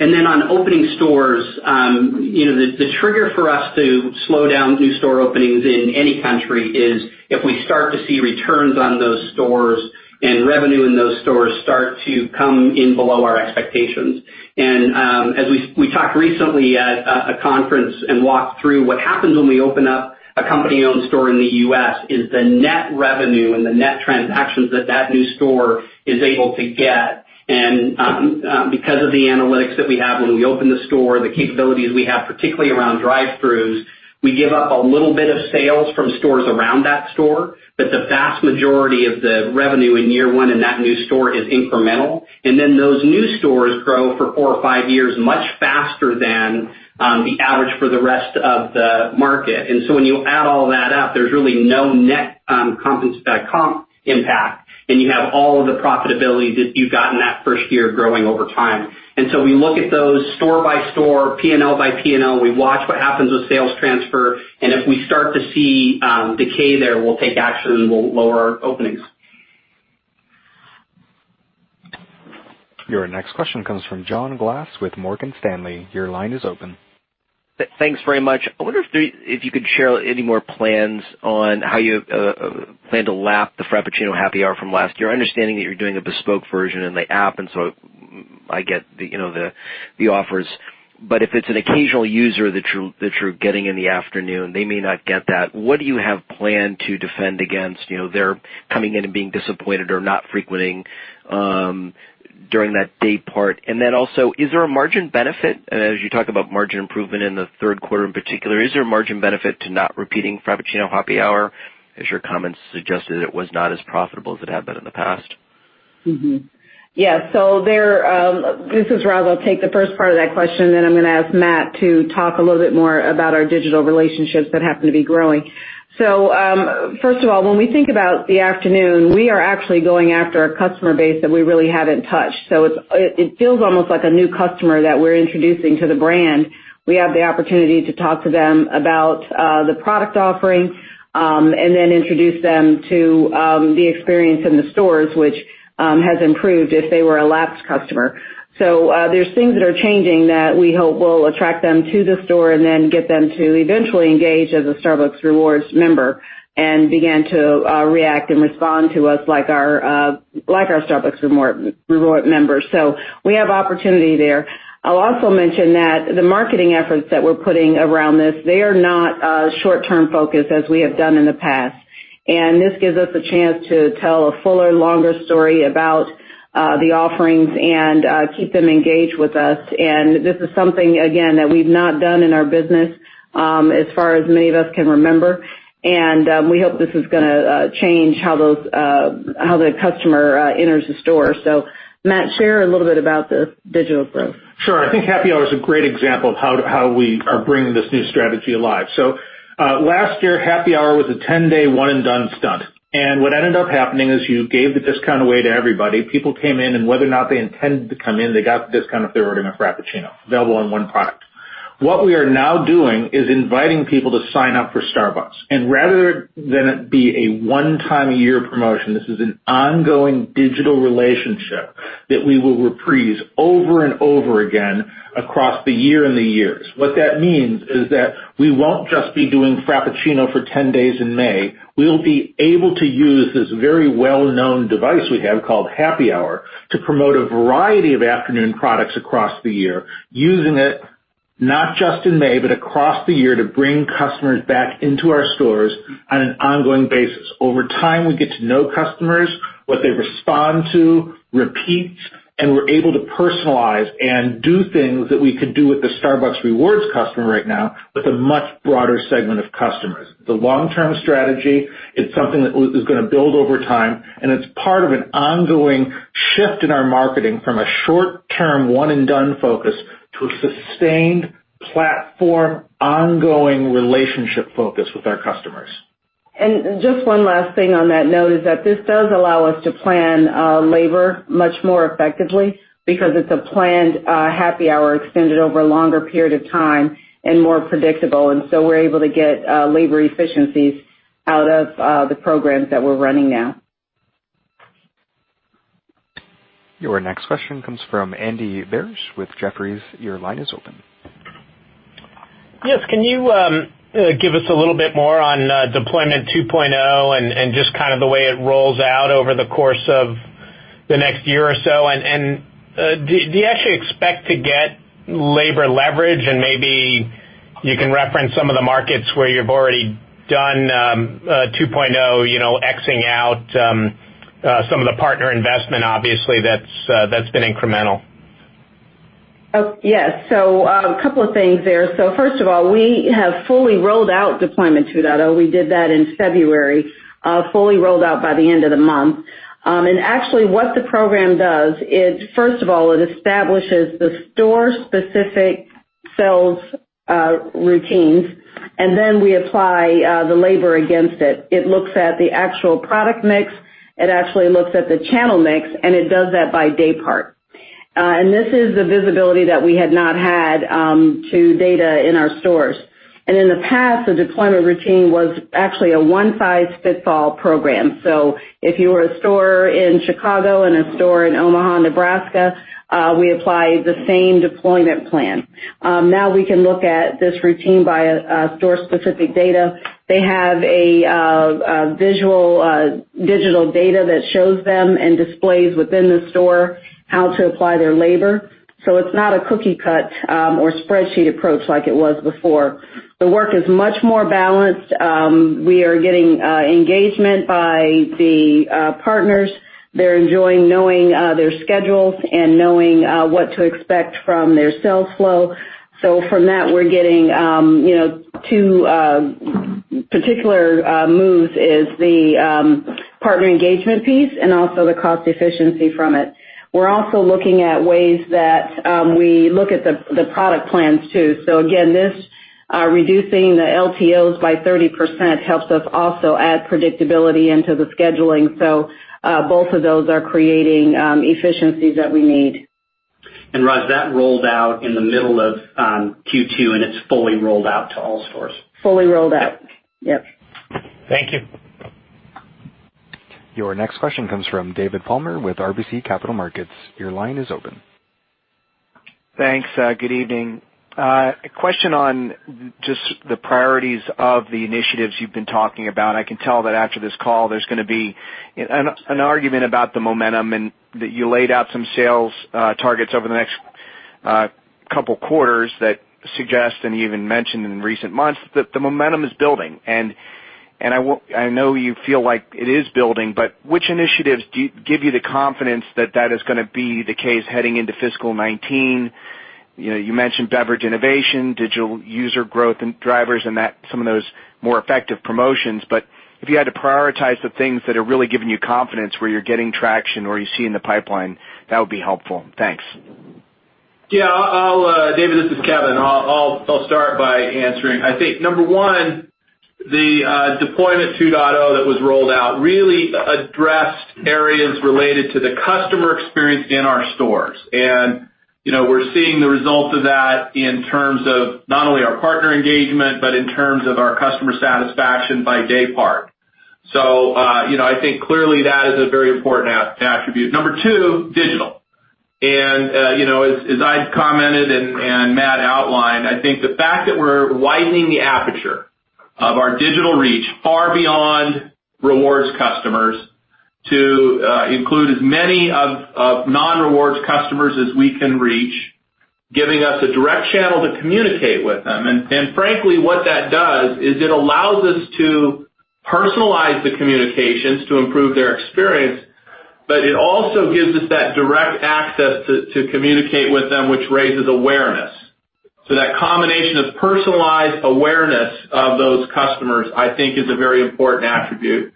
On opening stores, the trigger for us to slow down new store openings in any country is if we start to see returns on those stores and revenue in those stores start to come in below our expectations. As we talked recently at a conference and walked through what happens when we open up a company-owned store in the U.S. is the net revenue and the net transactions that that new store is able to get. Because of the analytics that we have when we open the store, the capabilities we have, particularly around drive-throughs, we give up a little bit of sales from stores around that store, but the vast majority of the revenue in year one in that new store is incremental. Those new stores grow for four or five years, much faster than the average for the rest of the market. When you add all that up, there's really no net comp impact, and you have all of the profitability that you've got in that first year growing over time. We look at those store by store, P&L by P&L. We watch what happens with sales transfer, and if we start to see decay there, we'll take action, and we'll lower our openings. Your next question comes from John Glass with Morgan Stanley. Your line is open. Thanks very much. I wonder if you could share any more plans on how you plan to lap the Frappuccino Happy Hour from last year. I understand that you're doing a bespoke version in the app, I get the offers. If it's an occasional user that you're getting in the afternoon, they may not get that. What do you have planned to defend against their coming in and being disappointed or not frequenting during that day part? Is there a margin benefit? As you talk about margin improvement in the third quarter in particular, is there a margin benefit to not repeating Frappuccino Happy Hour, as your comments suggested it was not as profitable as it had been in the past? This is Roz. I'll take the first part of that question, then I'm going to ask Matt to talk a little bit more about our digital relationships that happen to be growing. First of all, when we think about the afternoon, we are actually going after a customer base that we really haven't touched. It feels almost like a new customer that we're introducing to the brand. We have the opportunity to talk to them about the product offerings, and then introduce them to the experience in the stores, which has improved if they were a lapsed customer. There's things that are changing that we hope will attract them to the store and then get them to eventually engage as a Starbucks Rewards member and begin to react and respond to us like our Starbucks Rewards members. We have opportunity there. I'll also mention that the marketing efforts that we're putting around this, they are not short-term focused as we have done in the past. This gives us a chance to tell a fuller, longer story about the offerings and keep them engaged with us. This is something, again, that we've not done in our business, as far as many of us can remember. We hope this is going to change how the customer enters the store. Matt, share a little bit about the digital growth. Sure. I think Happy Hour is a great example of how we are bringing this new strategy alive. Last year, Happy Hour was a 10-day one-and-done stunt. What ended up happening is you gave the discount away to everybody. People came in, and whether or not they intended to come in, they got the discount if they were ordering a Frappuccino, available on one product. What we are now doing is inviting people to sign up for Starbucks, and rather than it be a one-time-a-year promotion, this is an ongoing digital relationship that we will reprise over and over again across the year and the years. What that means is that we won't just be doing Frappuccino for 10 days in May. We'll be able to use this very well-known device we have called Happy Hour to promote a variety of afternoon products across the year, using it not just in May, but across the year to bring customers back into our stores on an ongoing basis. Over time, we get to know customers, what they respond to, repeat, and we're able to personalize and do things that we could do with the Starbucks Rewards customer right now with a much broader segment of customers. It's a long-term strategy. It's something that is going to build over time, and it's part of an ongoing shift in our marketing from a short-term one-and-done focus to a sustained platform, ongoing relationship focus with our customers. Just one last thing on that note is that this does allow us to plan labor much more effectively because it's a planned Happy Hour extended over a longer period of time and more predictable, and so we're able to get labor efficiencies out of the programs that we're running now. Your next question comes from Andy Barish with Jefferies. Your line is open. Yes. Can you give us a little bit more on Deployment 2.0 and just kind of the way it rolls out over the course of the next year or so? Do you actually expect to get labor leverage? Maybe you can reference some of the markets where you've already done 2.0, exing out some of the partner investment, obviously, that's been incremental. Yes. A couple of things there. First of all, we have fully rolled out Deployment 2.0. We did that in February, fully rolled out by the end of the month. Actually, what the program does is, first of all, it establishes the store-specific sales routines, and then we apply the labor against it. It looks at the actual product mix, it actually looks at the channel mix, and it does that by daypart. This is the visibility that we had not had to data in our stores. In the past, the deployment routine was actually a one-size-fits-all program. If you were a store in Chicago and a store in Omaha, Nebraska, we apply the same deployment plan. Now we can look at this routine by store-specific data. They have a visual digital data that shows them and displays within the store how to apply their labor. It's not a cookie-cut or spreadsheet approach like it was before. The work is much more balanced. We are getting engagement by the partners. They're enjoying knowing their schedules and knowing what to expect from their sales flow. From that, we're getting two particular moves, is the partner engagement piece and also the cost efficiency from it. We're also looking at ways that we look at the product plans, too. Again, this reducing the LTOs by 30% helps us also add predictability into the scheduling. Both of those are creating efficiencies that we need. Roz, that rolled out in the middle of Q2, and it's fully rolled out to all stores. Fully rolled out. Yep. Yep. Thank you. Your next question comes from David Palmer with RBC Capital Markets. Your line is open. Thanks. Good evening. A question on just the priorities of the initiatives you've been talking about. I can tell that after this call, there's going to be an argument about the momentum and that you laid out some sales targets over the next couple quarters that suggest, and you even mentioned in recent months, that the momentum is building. I know you feel like it is building, but which initiatives give you the confidence that that is going to be the case heading into fiscal 2019? You mentioned beverage innovation, digital user growth and drivers, and some of those more effective promotions. If you had to prioritize the things that are really giving you confidence where you're getting traction or you see in the pipeline, that would be helpful. Thanks. y. David, this is Kevin. I'll start by answering. I think, number one, the Deployment 2.0 that was rolled out really addressed areas related to the customer experience in our stores. We're seeing the results of that in terms of not only our partner engagement, but in terms of our customer satisfaction by daypart. I think clearly that is a very important attribute. Number two, digital. As I commented and Matt outlined, I think the fact that we're widening the aperture of our digital reach far beyond rewards customers to include as many of non-rewards customers as we can reach, giving us a direct channel to communicate with them. Frankly, what that does is it allows us to personalize the communications to improve their experience, but it also gives us that direct access to communicate with them, which raises awareness. That combination of personalized awareness of those customers, I think is a very important attribute.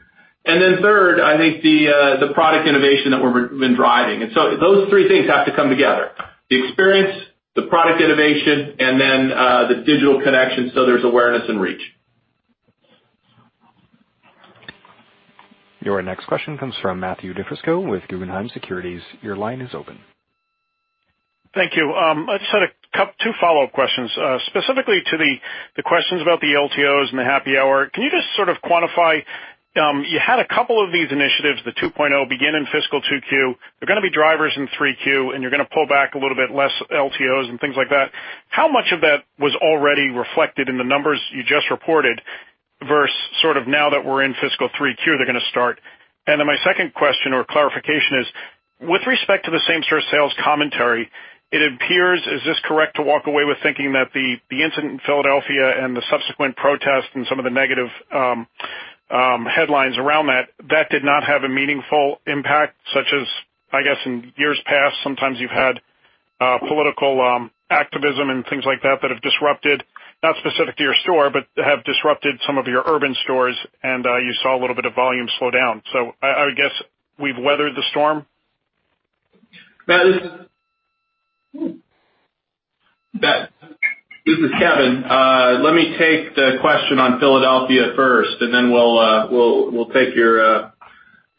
Then third, I think the product innovation that we've been driving. Those three things have to come together, the experience, the product innovation, and then the digital connection, so there's awareness and reach. Your next question comes from Matthew DiFrisco with Guggenheim Securities. Your line is open. Thank you. I just had two follow-up questions. Specifically to the questions about the LTOs and the Happy Hour. Can you just sort of quantify, you had a couple of these initiatives, the 2.0 begin in fiscal 2Q. They're going to be drivers in 3Q, and you're going to pull back a little bit less LTOs and things like that. How much of that was already reflected in the numbers you just reported versus now that we're in fiscal 3Q, they're going to start? My second question or clarification is, with respect to the same-store sales commentary, it appears, is this correct to walk away with thinking that the incident in Philadelphia and the subsequent protest and some of the negative headlines around that did not have a meaningful impact such as, I guess, in years past, sometimes you've had political activism and things like that that have disrupted, not specific to your store, but have disrupted some of your urban stores, and you saw a little bit of volume slow down. I would guess we've weathered the storm? Matt, this is Kevin. Let me take the question on Philadelphia first. We'll take your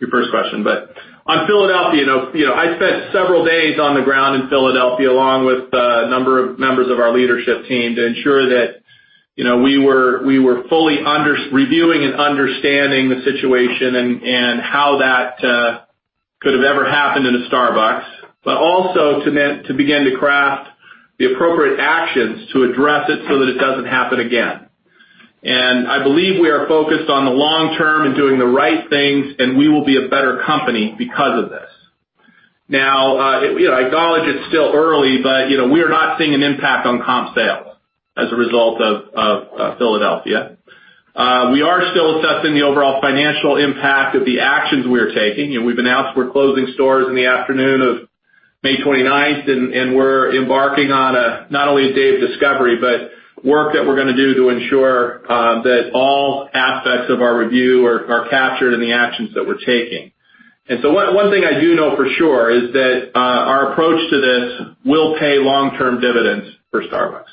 first question. On Philadelphia, I spent several days on the ground in Philadelphia along with a number of members of our leadership team to ensure that we were fully reviewing and understanding the situation and how that could have ever happened in a Starbucks. Also to begin to craft the appropriate actions to address it so that it doesn't happen again. I believe we are focused on the long term and doing the right things, and we will be a better company because of this. Now, I acknowledge it's still early, we are not seeing an impact on comp sales as a result of Philadelphia. We are still assessing the overall financial impact of the actions we are taking. We've announced we're closing stores in the afternoon of May 29th. We're embarking on not only a day of discovery, but work that we're going to do to ensure that all aspects of our review are captured in the actions that we're taking. One thing I do know for sure is that our approach to this will pay long-term dividends for Starbucks.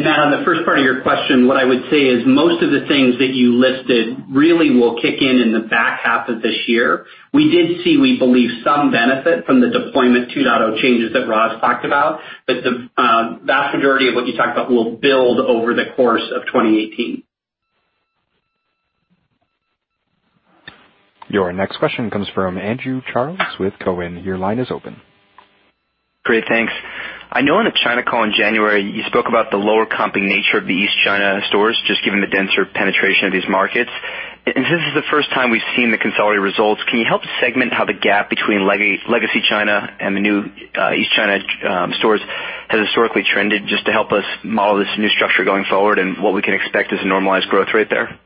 Matt, on the first part of your question, what I would say is most of the things that you listed really will kick in in the back half of this year. We did see, we believe, some benefit from the Deployment 2.0 changes that Roz talked about, but the vast majority of what you talked about will build over the course of 2018. Your next question comes from Andrew Charles with Cowen. Your line is open. Great. Thanks. I know on the China call in January, you spoke about the lower comping nature of the East China stores, just given the denser penetration of these markets. Since this is the first time we've seen the consolidated results, can you help segment how the gap between legacy China and the new East China stores has historically trended just to help us model this new structure going forward and what we can expect as a normalized growth rate there?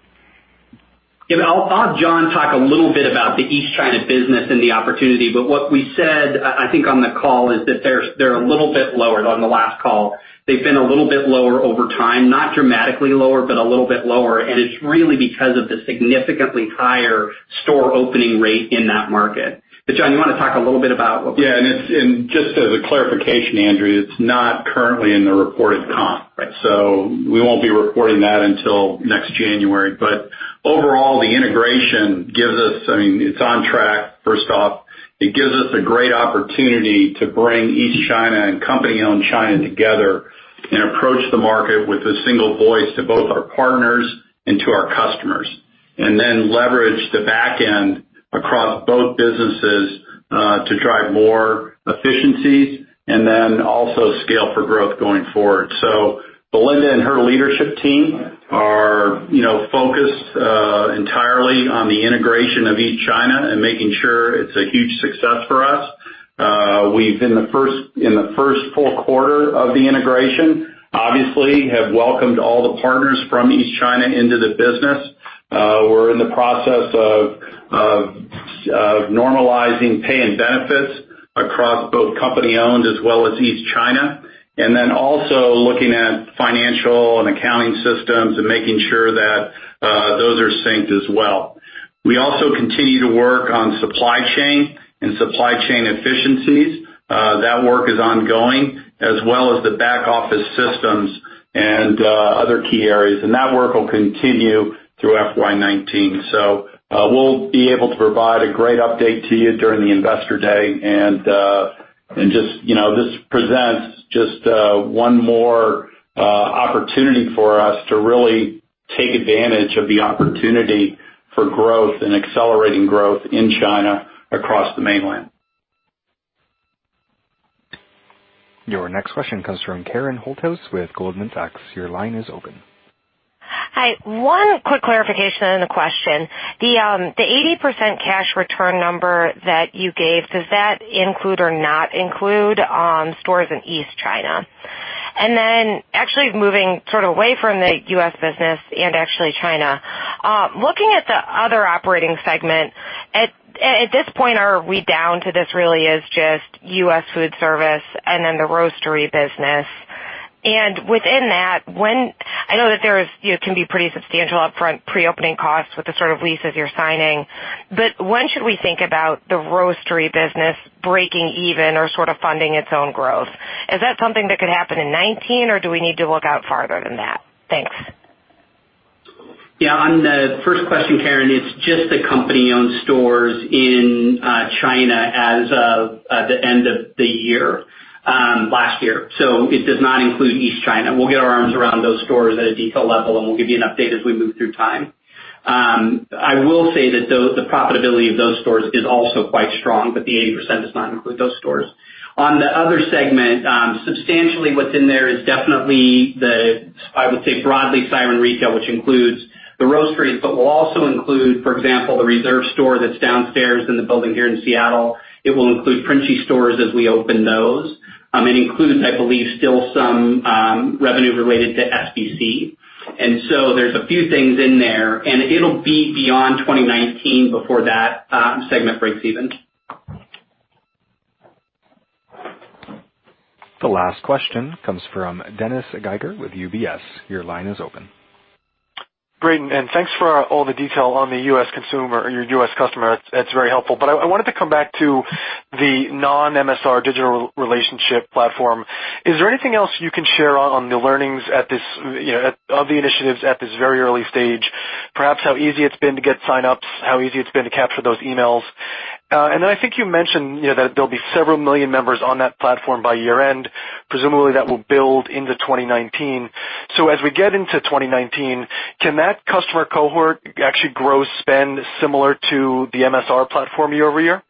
Yeah. I'll have John talk a little bit about the East China business and the opportunity, what we said, I think on the call, is that they're a little bit lower on the last call. They've been a little bit lower over time, not dramatically lower, but a little bit lower, and it's really because of the significantly higher store opening rate in that market. John, you want to talk a little bit about- Just as a clarification, Andrew, it's not currently in the reported comp. We won't be reporting that until next January. Overall, the integration gives us, I mean, it's on track, first off. It gives us a great opportunity to bring East China and company-owned China together and approach the market with a single voice to both our partners and to our customers, leverage the back end across both businesses, to drive more efficiencies, also scale for growth going forward. Belinda and her leadership team are focused entirely on the integration of East China and making sure it's a huge success for us. We've, in the first full quarter of the integration, obviously have welcomed all the partners from East China into the business. We're in the process of normalizing pay and benefits across both company-owned as well as East China, looking at financial and accounting systems and making sure that those are synced as well. We also continue to work on supply chain and supply chain efficiencies. That work is ongoing as well as the back-office systems and other key areas, that work will continue through FY 2019. We'll be able to provide a great update to you during the investor day, this presents just one more opportunity for us to really take advantage of the opportunity for growth and accelerating growth in China across the mainland. Your next question comes from Karen Holthouse with Goldman Sachs. Your line is open. Hi. One quick clarification and a question. The 80% cash return number that you gave, does that include or not include stores in East China? Actually moving away from the U.S. business and China. Looking at the other operating segment, at this point, are we down to this really as just U.S. food service the Roastery Business? Within that, I know that there can be pretty substantial upfront pre-opening costs with the sort of leases you're signing, when should we think about the Roastery Business breaking even or sort of funding its own growth? Is that something that could happen in 2019, or do we need to look out farther than that? Thanks. Yeah. On the first question, Karen, it's just the company-owned stores in China as of the end of the year, last year. It does not include East China. We'll get our arms around those stores at a detail level, and we'll give you an update as we move through time. I will say that the profitability of those stores is also quite strong, but the 80% does not include those stores. On the other segment, substantially what's in there is definitely the, I would say, broadly Siren Retail, which includes the Roastery, but will also include, for example, the Reserve store that's downstairs in the building here in Seattle. It will include Princi stores as we open those. It includes, I believe, still some revenue related to SBC. There's a few things in there, and it'll be beyond 2019 before that segment breaks even. The last question comes from Dennis Geiger with UBS. Your line is open. Great. Thanks for all the detail on the U.S. consumer or your U.S. customer. That's very helpful. I wanted to come back to the non-MSR digital relationship platform. Is there anything else you can share on the learnings of the initiatives at this very early stage? Perhaps how easy it's been to get sign-ups, how easy it's been to capture those emails. Then I think you mentioned that there'll be several million members on that platform by year-end, presumably that will build into 2019. As we get into 2019, can that customer cohort actually grow spend similar to the MSR platform year-over-year?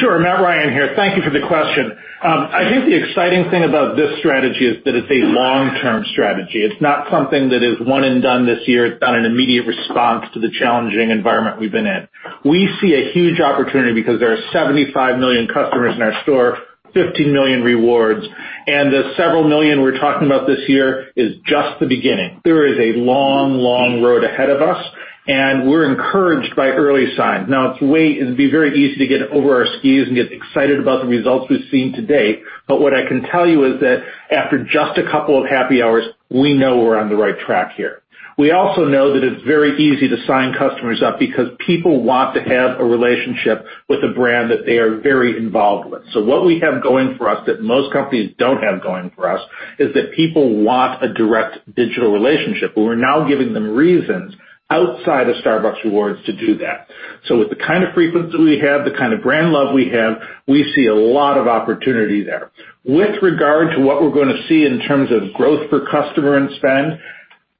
Sure. Matt Ryan here. Thank you for the question. I think the exciting thing about this strategy is that it's a long-term strategy. It's not something that is one and done this year. It's not an immediate response to the challenging environment we've been in. We see a huge opportunity because there are 75 million customers in our store, 15 million rewards, and the several million we're talking about this year is just the beginning. There is a long, long road ahead of us, and we're encouraged by early signs. It'd be very easy to get over our skis and get excited about the results we've seen to date. What I can tell you is that after just a couple of Happy Hours, we know we're on the right track here. We also know that it's very easy to sign customers up because people want to have a relationship with a brand that they are very involved with. What we have going for us that most companies don't have going for us is that people want a direct digital relationship. We're now giving them reasons outside of Starbucks Rewards to do that. With the kind of frequency we have, the kind of brand love we have, we see a lot of opportunity there. With regard to what we're going to see in terms of growth per customer and spend,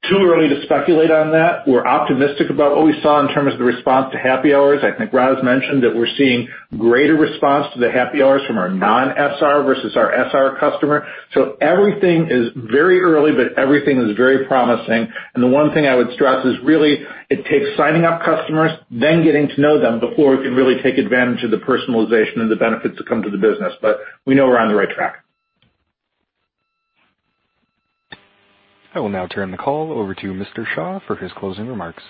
too early to speculate on that. We're optimistic about what we saw in terms of the response to Happy Hours. I think Roz mentioned that we're seeing greater response to the Happy Hours from our non-SR versus our SR customer. Everything is very early, but everything is very promising. The one thing I would stress is really it takes signing up customers, then getting to know them before we can really take advantage of the personalization and the benefits that come to the business. We know we're on the right track. I will now turn the call over to Mr. Shaw for his closing remarks.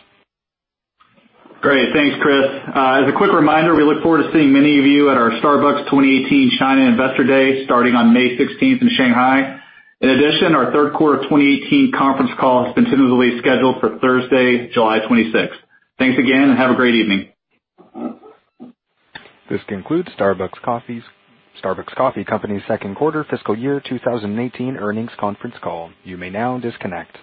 Great. Thanks, Chris. As a quick reminder, we look forward to seeing many of you at our Starbucks 2018 China Investor Day, starting on May 16th in Shanghai. In addition, our third quarter of 2018 conference call is tentatively scheduled for Thursday, July 26th. Thanks again, and have a great evening. This concludes Starbucks Coffee Company's second quarter fiscal year 2018 earnings conference call. You may now disconnect.